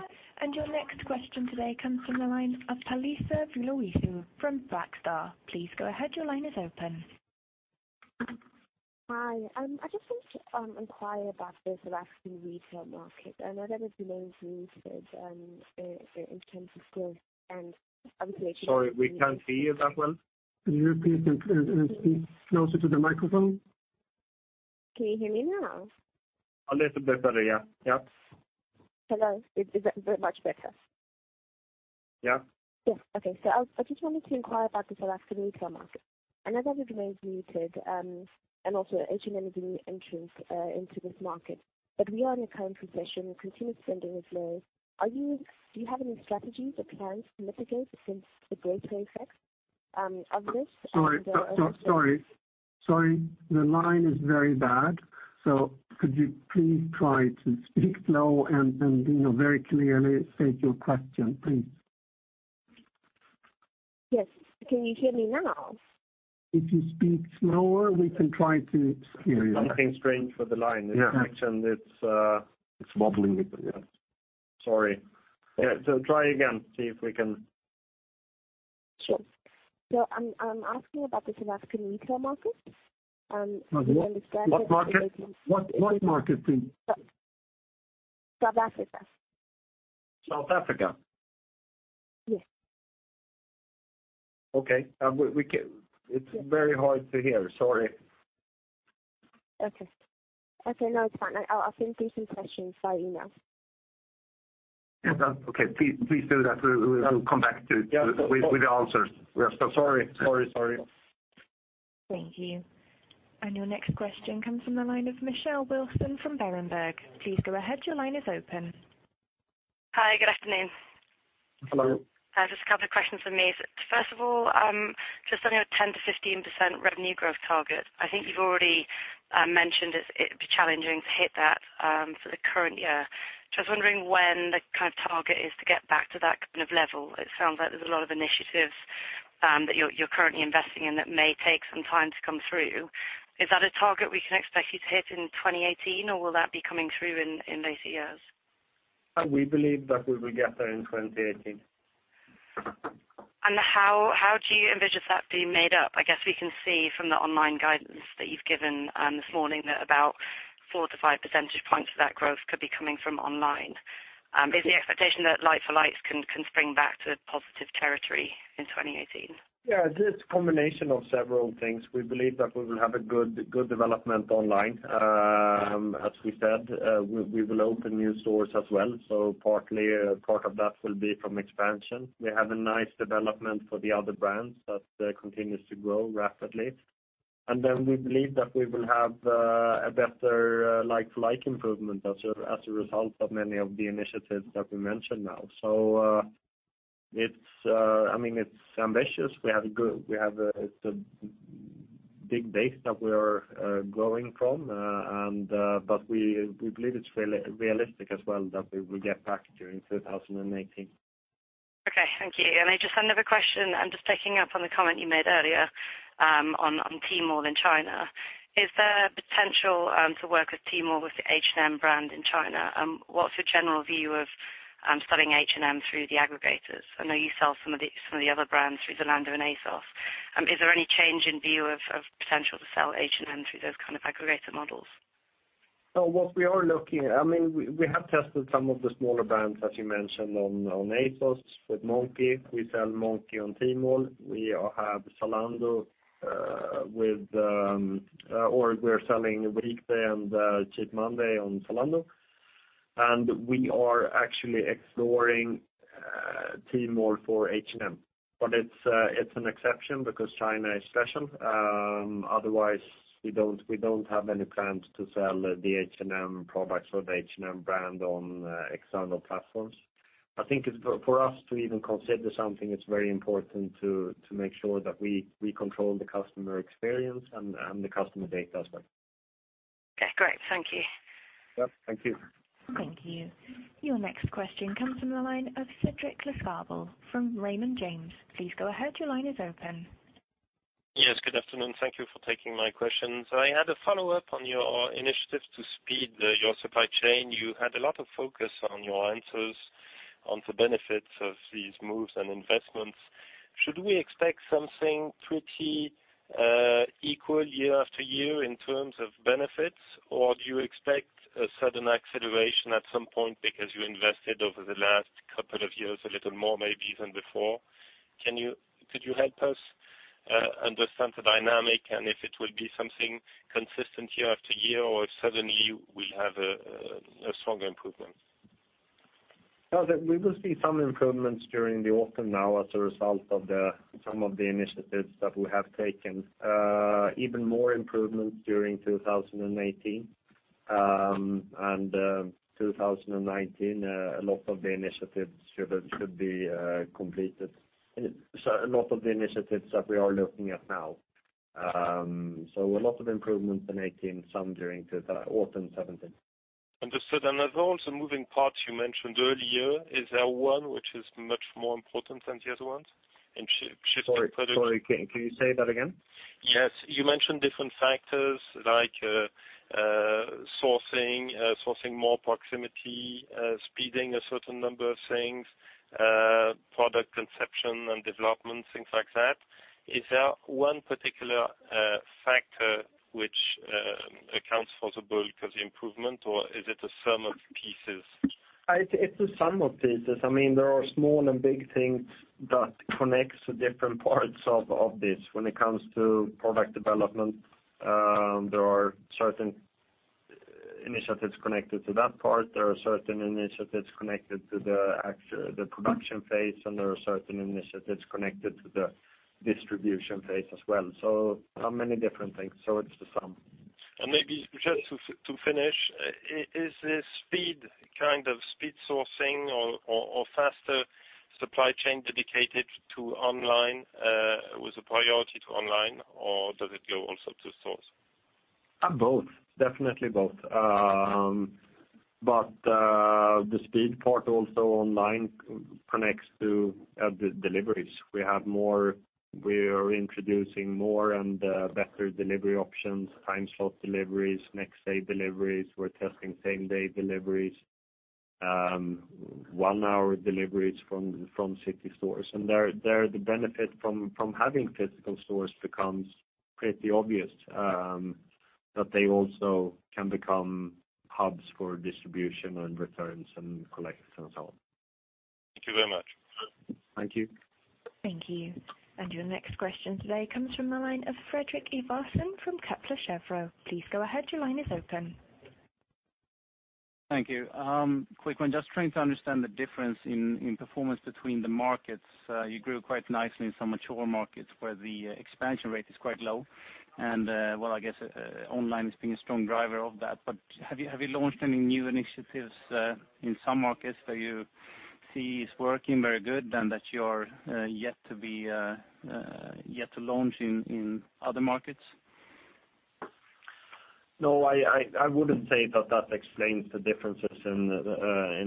S1: Your next question today comes from the line of Peliswa Mloisu from Black Star. Please go ahead. Your line is open.
S14: Hi. I just want to inquire about the South African retail market. I know that it remains muted in terms of growth.
S2: Sorry, we cannot hear you that well.
S3: Can you repeat and speak closer to the microphone?
S14: Can you hear me now?
S2: A little bit better, yeah.
S14: Hello. Is that much better?
S2: Yeah.
S14: Yeah. Okay. I just wanted to inquire about the South African retail market. I know that it remains muted, H&M is a new entrant into this market. We are in a time position with continued spending as low. Do you have any strategies or plans to mitigate against the (inaudible) of this?
S3: Sorry. The line is very bad. Could you please try to speak slow and very clearly state your question, please?
S14: Yes. Can you hear me now?
S5: If you speak slower, we can try to hear you.
S2: Something strange with the line.
S5: Yeah.
S2: The connection, it's-
S5: It's wobbling a bit, yeah.
S2: Sorry. Yeah, try again, see if we can
S14: Sure. I'm asking about the South African retail market, and we understand that-
S5: What market? What market?
S14: South Africa.
S2: South Africa?
S14: Yes.
S2: Okay. It's very hard to hear. Sorry.
S14: Okay. Okay, no, it is fine. I will send you some [questions] via email.
S2: Yeah, okay. Please do that. We will come back to you with the answers. We are so sorry.
S5: Sorry.
S1: Thank you. Your next question comes from the line of Michelle Wilson from Berenberg. Please go ahead. Your line is open.
S15: Hi, good afternoon.
S2: Hello.
S15: Just a couple of questions from me. First of all, just on your 10%-15% revenue growth target, I think you've already mentioned it'd be challenging to hit that for the current year. Just wondering when the target is to get back to that kind of level. It sounds like there's a lot of initiatives that you're currently investing in that may take some time to come through. Is that a target we can expect you to hit in 2018, or will that be coming through in later years?
S2: We believe that we will get there in 2018.
S15: How do you envision that being made up? I guess we can see from the online guidance that you've given this morning that about four to five percentage points of that growth could be coming from online. Is the expectation that like-for-likes can spring back to positive territory in 2018?
S2: Yeah. It is a combination of several things. We believe that we will have a good development online. As we said, we will open new stores as well. Partly, part of that will be from expansion. We have a nice development for the other brands that continues to grow rapidly. We believe that we will have a better like-for-like improvement as a result of many of the initiatives that we mentioned now. It's ambitious. We have a big base that we are growing from. We believe it's realistic as well that we will get back during 2018.
S15: Okay, thank you. Just another question, just picking up on the comment you made earlier on Tmall in China. Is there potential to work with Tmall with the H&M brand in China? What's your general view of selling H&M through the aggregators? I know you sell some of the other brands through Zalando and ASOS. Is there any change in view of potential to sell H&M through those kind of aggregator models?
S2: What we are looking at, we have tested some of the smaller brands, as you mentioned, on ASOS with Monki. We sell Monki on Tmall. We have Zalando or we're selling Weekday and Cheap Monday on Zalando. We are actually exploring Tmall for H&M. It's an exception because China is special. Otherwise, we don't have any plans to sell the H&M products or the H&M brand on external platforms. I think for us to even consider something, it's very important to make sure that we control the customer experience and the customer data as well.
S15: Okay, great. Thank you.
S2: Yeah, thank you.
S1: Thank you. Your next question comes from the line of Cédric Lecasble from Raymond James. Please go ahead. Your line is open.
S16: Yes, good afternoon. Thank you for taking my questions. I had a follow-up on your initiatives to speed your supply chain. You had a lot of focus on your answers on the benefits of these moves and investments. Should we expect something pretty equal year after year in terms of benefits, or do you expect a sudden acceleration at some point because you invested over the last couple of years, a little more maybe than before? Could you help us understand the dynamic and if it will be something consistent year after year, or if suddenly we will have a stronger improvement?
S2: No, we will see some improvements during the autumn now as a result of some of the initiatives that we have taken. Even more improvements during 2018. 2019, a lot of the initiatives should be completed. A lot of the initiatives that we are looking at now. A lot of improvements in 2018, some during autumn 2017.
S16: Understood. Of all the moving parts you mentioned earlier, is there one which is much more important than the other ones in shifting product?
S2: Sorry, can you say that again?
S16: Yes. You mentioned different factors like sourcing more proximity, speeding a certain number of things, product conception and development, things like that. Is there one particular factor which accounts for the bulk of the improvement, or is it a sum of pieces?
S2: It's a sum of pieces. There are small and big things that connects the different parts of this. When it comes to product development, there are certain initiatives connected to that part. There are certain initiatives connected to the production phase, and there are certain initiatives connected to the distribution phase as well. There are many different things. It's the sum.
S16: Maybe just to finish, is this speed sourcing or faster supply chain dedicated to online, with a priority to online, or does it go also to stores?
S2: Both. Definitely both. The speed part also online connects to the deliveries. We are introducing more and better delivery options, time slot deliveries, next day deliveries. We are testing same day deliveries, one-hour deliveries from city stores. There, the benefit from having physical stores becomes pretty obvious, that they also can become hubs for distribution and returns and collects and so on.
S16: Thank you very much.
S2: Thank you.
S1: Thank you. Your next question today comes from the line of Fredrik Ivarsson from Kepler Cheuvreux. Please go ahead. Your line is open.
S17: Thank you. Quick one, just trying to understand the difference in performance between the markets. You grew quite nicely in some mature markets where the expansion rate is quite low and, well, I guess online is being a strong driver of that. Have you launched any new initiatives in some markets that you see is working very well and that you are yet to launch in other markets?
S2: No, I wouldn't say that explains the differences in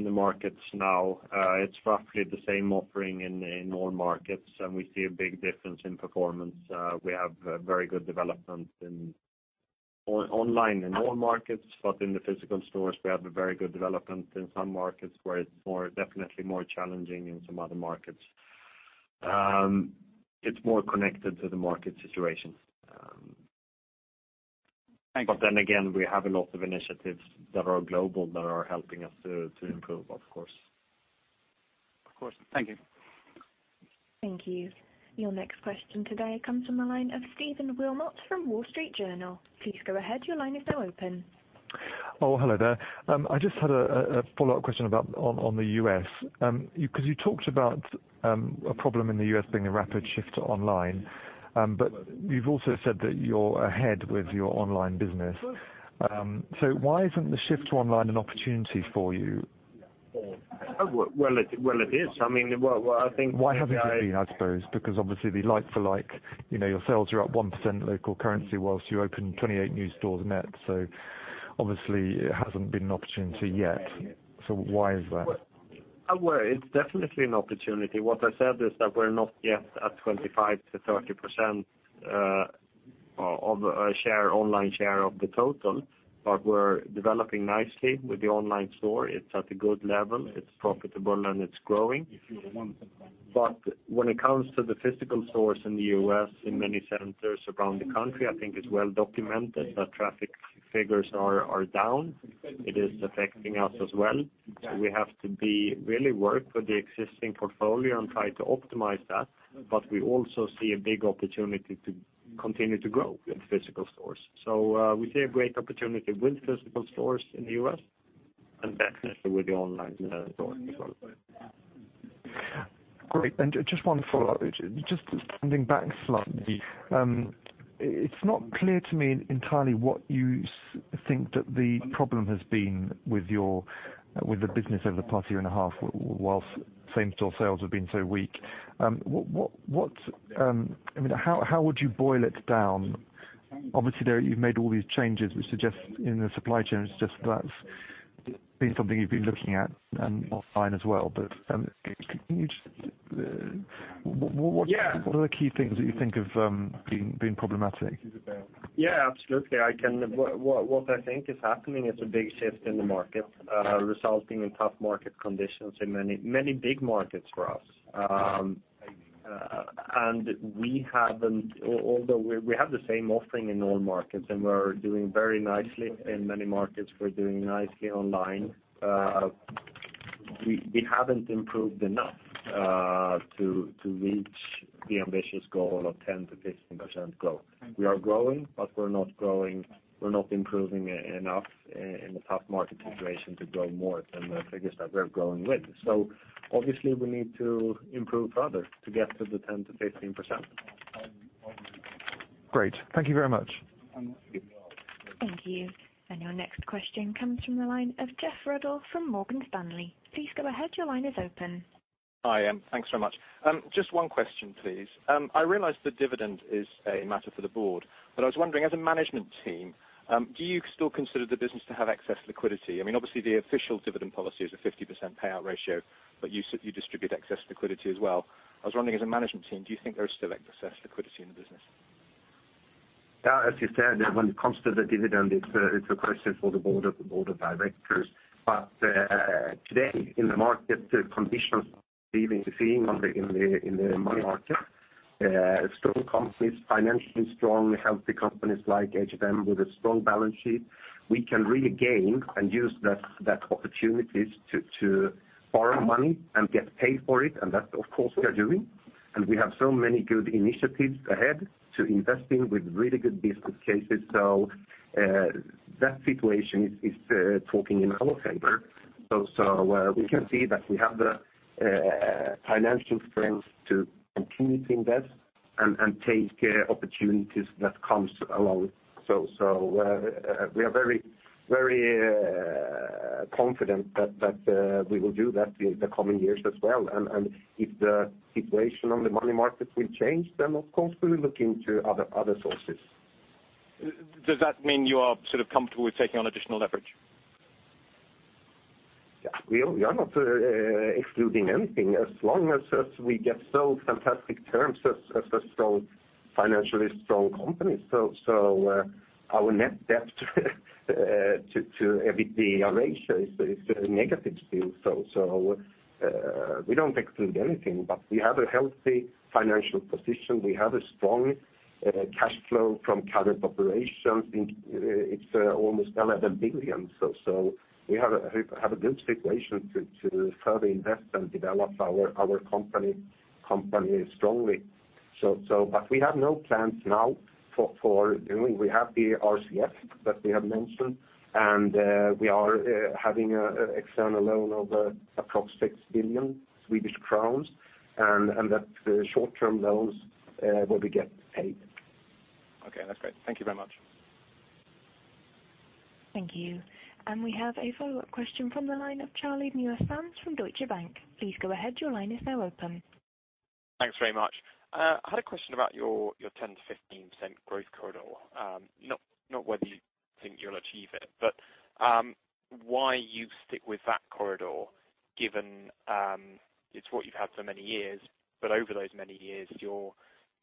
S2: the markets now. It's roughly the same offering in all markets, we see a big difference in performance. We have very good development in online in all markets, in the physical stores, we have a very good development in some markets where it's definitely more challenging in some other markets. It's more connected to the market situation.
S17: Thank you.
S2: Again, we have a lot of initiatives that are global that are helping us to improve, of course.
S17: Of course. Thank you.
S1: Thank you. Your next question today comes from the line of Stephen Wilmot from The Wall Street Journal. Please go ahead. Your line is now open.
S18: Hello there. I just had a follow-up question about on the U.S., because you talked about a problem in the U.S. being a rapid shift to online. You've also said that you're ahead with your online business. Why isn't the shift to online an opportunity for you?
S2: Well, it is. I mean, well,
S18: Why haven't you been, I suppose, because obviously the like for like, your sales are up 1% local currency whilst you open 28 new stores net. Obviously it hasn't been an opportunity yet. Why is that?
S2: Well, it's definitely an opportunity. What I said is that we're not yet at 25%-30% of online share of the total, but we're developing nicely with the online store. It's at a good level. It's profitable and it's growing. When it comes to the physical stores in the U.S., in many centers around the country, I think it's well documented that traffic figures are down. It is affecting us as well. We have to be really work with the existing portfolio and try to optimize that, but we also see a big opportunity to continue to grow with physical stores. We see a great opportunity with physical stores in the U.S. and definitely with the online store as well.
S18: Great. Just one follow-up, just standing back slightly. It's not clear to me entirely what you think that the problem has been with the business over the past year and a half whilst same store sales have been so weak. How would you boil it down? Obviously, you've made all these changes, we suggest in the supply chains, just that's been something you've been looking at and online as well. Can you just-
S2: Yeah.
S18: What are the key things that you think have been problematic?
S2: Yeah, absolutely. What I think is happening is a big shift in the market, resulting in tough market conditions in many big markets for us. Although we have the same offering in all markets and we're doing very nicely in many markets, we're doing nicely online. We haven't improved enough to reach the ambitious goal of 10%-15% growth. We are growing, but we're not improving enough in the tough market situation to grow more than the figures that we're growing with. Obviously we need to improve further to get to the 10%-15%.
S18: Great. Thank you very much.
S1: Thank you. Your next question comes from the line of Geoffrey Ruddell from Morgan Stanley. Please go ahead. Your line is open.
S19: Hi. Thanks very much. Just one question, please. I realize the dividend is a matter for the board, but I was wondering as a management team, do you still consider the business to have excess liquidity? Obviously, the official dividend policy is a 50% payout ratio, but you distribute excess liquidity as well. I was wondering as a management team, do you think there is still excess liquidity in the business?
S2: As you said, when it comes to the dividend, it's a question for the board of directors. Today in the market conditions we've been seeing in the money market, strong companies, financially strong, healthy companies like H&M with a strong balance sheet, we can regain and use that opportunities to borrow money and get paid for it. That's of course we are doing. We have so many good initiatives ahead to investing with really good business cases. That situation is talking in our favor. We can see that we have the financial strength to continue to invest and take opportunities that comes along. We are very confident that we will do that in the coming years as well. If the situation on the money market will change, then of course, we will look into other sources.
S19: Does that mean you are sort of comfortable with taking on additional leverage?
S2: We are not excluding anything as long as we get fantastic terms as a financially strong company. Our net debt to EBITDA ratio is negative still. We don't exclude anything, but we have a healthy financial position. We have a strong cash flow from current operations, it's almost 11 billion. We have a good situation to further invest and develop our company strongly. We have no plans now for doing We have the RCF that we have mentioned, and we are having an external loan of approx SEK 6 billion, and that's short-term loans where we get paid.
S19: That's great. Thank you very much.
S1: Thank you. We have a follow-up question from the line of Charlie Newlands from Deutsche Bank. Please go ahead. Your line is now open.
S9: Thanks very much. I had a question about your 10%-15% growth corridor. Not whether you think you'll achieve it, but why you stick with that corridor given it's what you've had for many years, but over those many years, your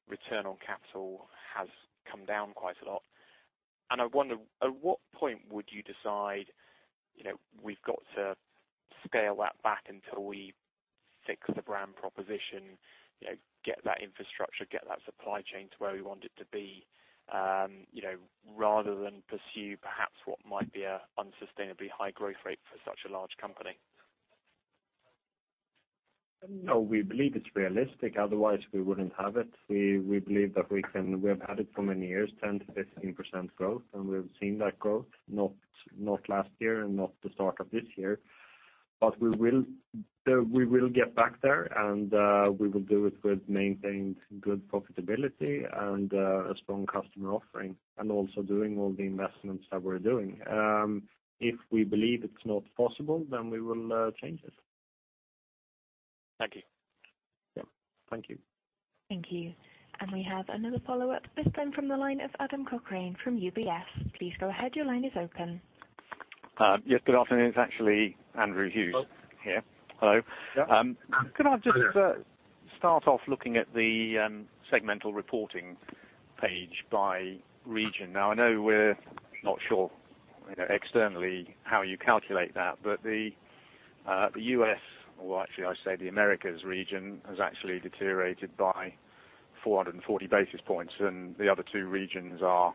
S9: return on capital has come down quite a lot. I wonder at what point would you decide, we've got to scale that back until we fix the brand proposition, get that infrastructure, get that supply chain to where we want it to be, rather than pursue perhaps what might be an unsustainably high growth rate for such a large company?
S2: No, we believe it's realistic, otherwise we wouldn't have it. We believe that we have had it for many years, 10%-15% growth, and we've seen that growth, not last year and not the start of this year, but we will get back there, and we will do it with maintained good profitability and a strong customer offering. Also doing all the investments that we're doing. If we believe it's not possible, then we will change it.
S9: Thank you.
S2: Yeah. Thank you.
S1: Thank you. We have another follow-up this time from the line of Adam Cochrane from UBS. Please go ahead. Your line is open.
S20: Yes, good afternoon. It's actually Andrew Hughes.
S2: Hello.
S20: Here. Hello.
S2: Yeah.
S20: I just start off looking at the segmental reporting page by region. I know we're not sure externally how you calculate that, but the U.S., or actually I say the Americas region, has actually deteriorated by 440 basis points and the other two regions are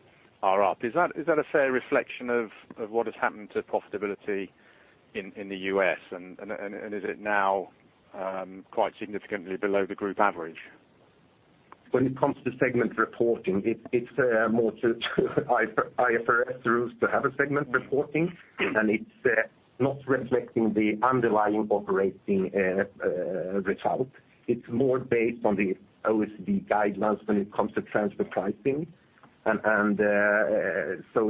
S20: up. Is that a fair reflection of what has happened to profitability in the U.S., and is it now quite significantly below the group average?
S2: When it comes to segment reporting, it's more to IFRS rules to have a segment reporting, and it's not reflecting the underlying operating result. It's more based on the OECD guidelines when it comes to transfer pricing, and so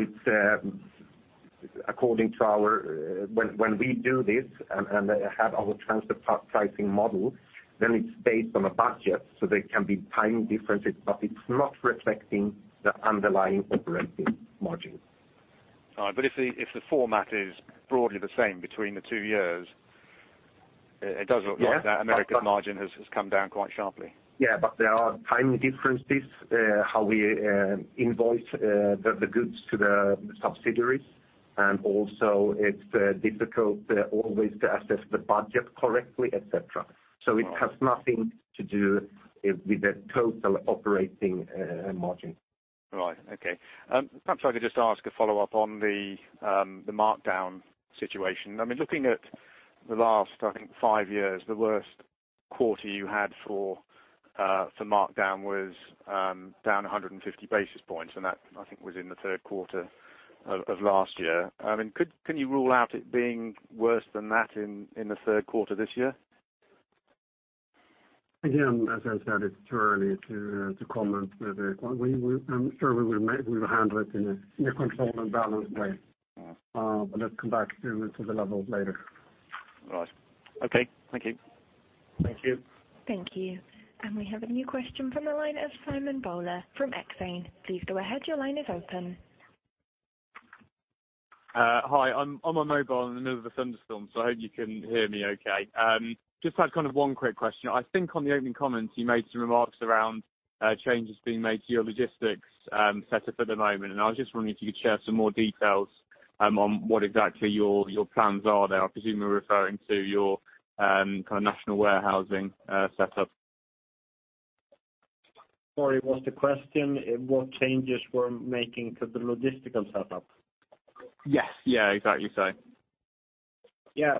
S2: when we do this and have our transfer pricing model, then it's based on a budget, so there can be timing differences, but it's not reflecting the underlying operating margin.
S20: All right. If the format is broadly the same between the two years, it does look like that.
S2: Yeah
S20: America's margin has come down quite sharply.
S2: Yeah, there are timing differences, how we invoice the goods to the subsidiaries, and also it's difficult always to assess the budget correctly, et cetera. It has nothing to do with the total operating margin.
S20: Right. Okay. Perhaps if I could just ask a follow-up on the markdown situation. I mean, looking at the last, I think five years, the worst quarter you had for markdown was down 150 basis points, and that, I think, was in the third quarter of last year. Can you rule out it being worse than that in the third quarter this year?
S2: Again, as I said, it's too early to comment. I'm sure we will handle it in a controlled and balanced way.
S20: All right.
S2: Let's come back to the levels later.
S20: All right. Okay. Thank you.
S2: Thank you.
S1: Thank you. We have a new question from the line of Simon Bowler from Exane. Please go ahead. Your line is open.
S21: Hi, I'm on my mobile in the middle of a thunderstorm, so I hope you can hear me okay. Just had one quick question. I think on the opening comments, you made some remarks around changes being made to your logistics setup at the moment, and I was just wondering if you could share some more details on what exactly your plans are there. I presume you're referring to your national warehousing setup.
S2: Sorry, what's the question? What changes we're making to the logistical setup?
S21: Yes. Yeah, exactly so.
S2: Yeah.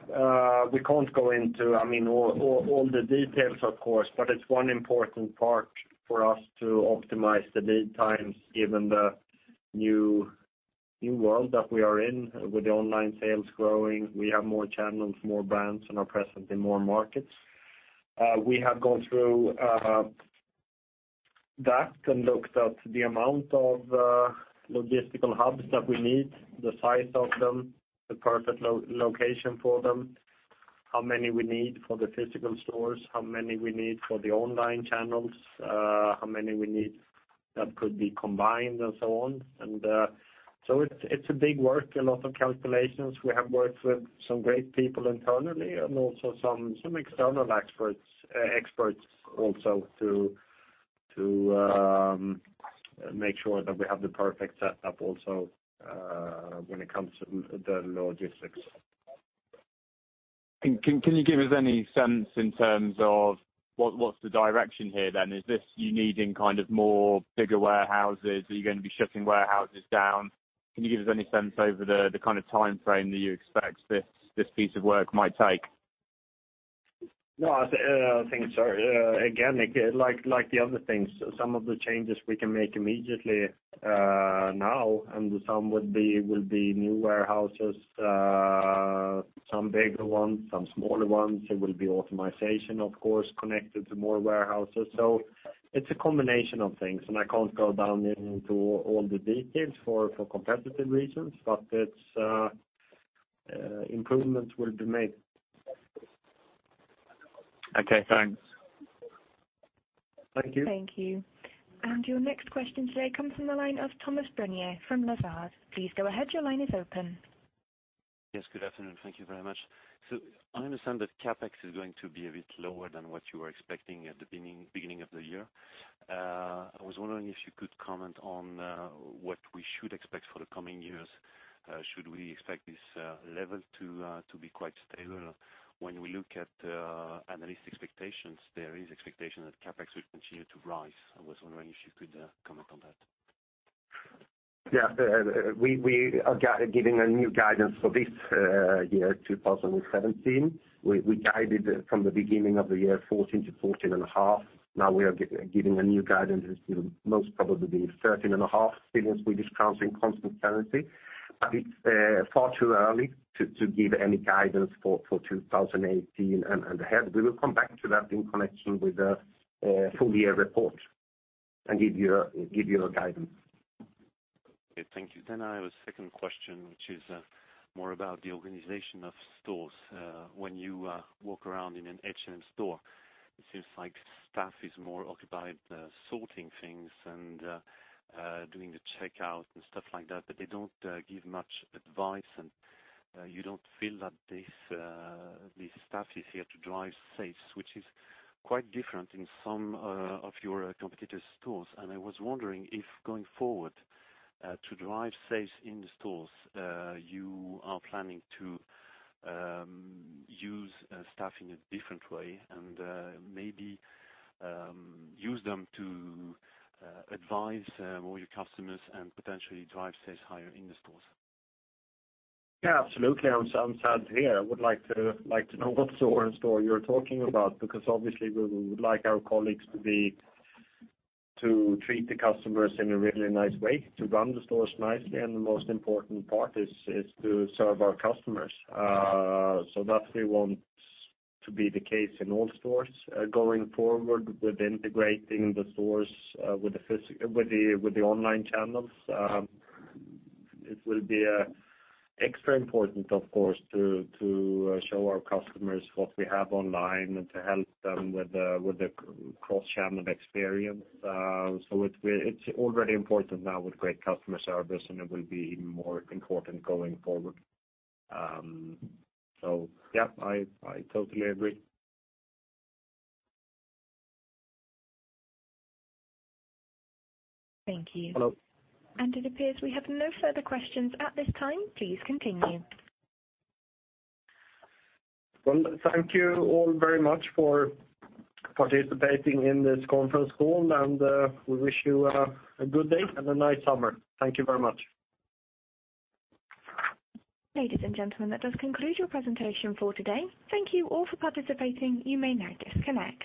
S2: We can't go into all the details, of course, but it's one important part for us to optimize the lead times, given the new world that we are in with the online sales growing. We have more channels, more brands, and are present in more markets. We have gone through that and looked at the amount of logistical hubs that we need, the size of them, the perfect location for them, how many we need for the physical stores, how many we need for the online channels, how many we need that could be combined, and so on. It's a big work, a lot of calculations. We have worked with some great people internally and also some external experts also to make sure that we have the perfect setup also when it comes to the logistics.
S21: Can you give us any sense in terms of what's the direction here then? Is this you needing more bigger warehouses? Are you going to be shutting warehouses down? Can you give us any sense over the timeframe that you expect this piece of work might take?
S2: No, I think, sorry, again, like the other things, some of the changes we can make immediately, now, and some will be new warehouses. Some bigger ones, some smaller ones. There will be optimization, of course, connected to more warehouses. It's a combination of things, and I can't go down into all the details for competitive reasons, but improvements will be made.
S21: Okay, thanks.
S2: Thank you.
S1: Thank you. Your next question today comes from the line of Thomas Brenier from Lazard. Please go ahead. Your line is open.
S22: Yes, good afternoon. Thank you very much. I understand that CapEx is going to be a bit lower than what you were expecting at the beginning of the year. I was wondering if you could comment on what we should expect for the coming years. Should we expect this level to be quite stable? When we look at analyst expectations, there is expectation that CapEx will continue to rise. I was wondering if you could comment on that.
S2: Yeah. We are giving a new guidance for this year, 2017. We guided from the beginning of the year, 14 billion to 14.5 billion. Now we are giving a new guidance, most probably 13.5 billion with this constant currency. It's far too early to give any guidance for 2018 and ahead. We will come back to that in connection with the full year report and give you a guidance.
S22: Okay, thank you. I have a second question, which is more about the organization of stores. When you walk around in an H&M store, it seems like staff is more occupied sorting things and doing the checkout and stuff like that, but they don't give much advice, and you don't feel that the staff is here to drive sales, which is quite different in some of your competitors' stores. I was wondering if, going forward, to drive sales in the stores, you are planning to use staff in a different way and maybe use them to advise all your customers and potentially drive sales higher in the stores.
S2: Yeah, absolutely. I'm sat here. I would like to know what store you're talking about, because obviously, we would like our colleagues to treat the customers in a really nice way, to run the stores nicely, and the most important part is to serve our customers. That we want to be the case in all stores going forward with integrating the stores with the online channels. It will be extra important, of course, to show our customers what we have online and to help them with the cross-channel experience. It's already important now with great customer service, and it will be even more important going forward. Yeah, I totally agree.
S1: Thank you.
S2: Hello.
S1: It appears we have no further questions at this time. Please continue.
S2: Well, thank you all very much for participating in this conference call, and we wish you a good day and a nice summer. Thank you very much.
S1: Ladies and gentlemen, that does conclude your presentation for today. Thank you all for participating. You may now disconnect.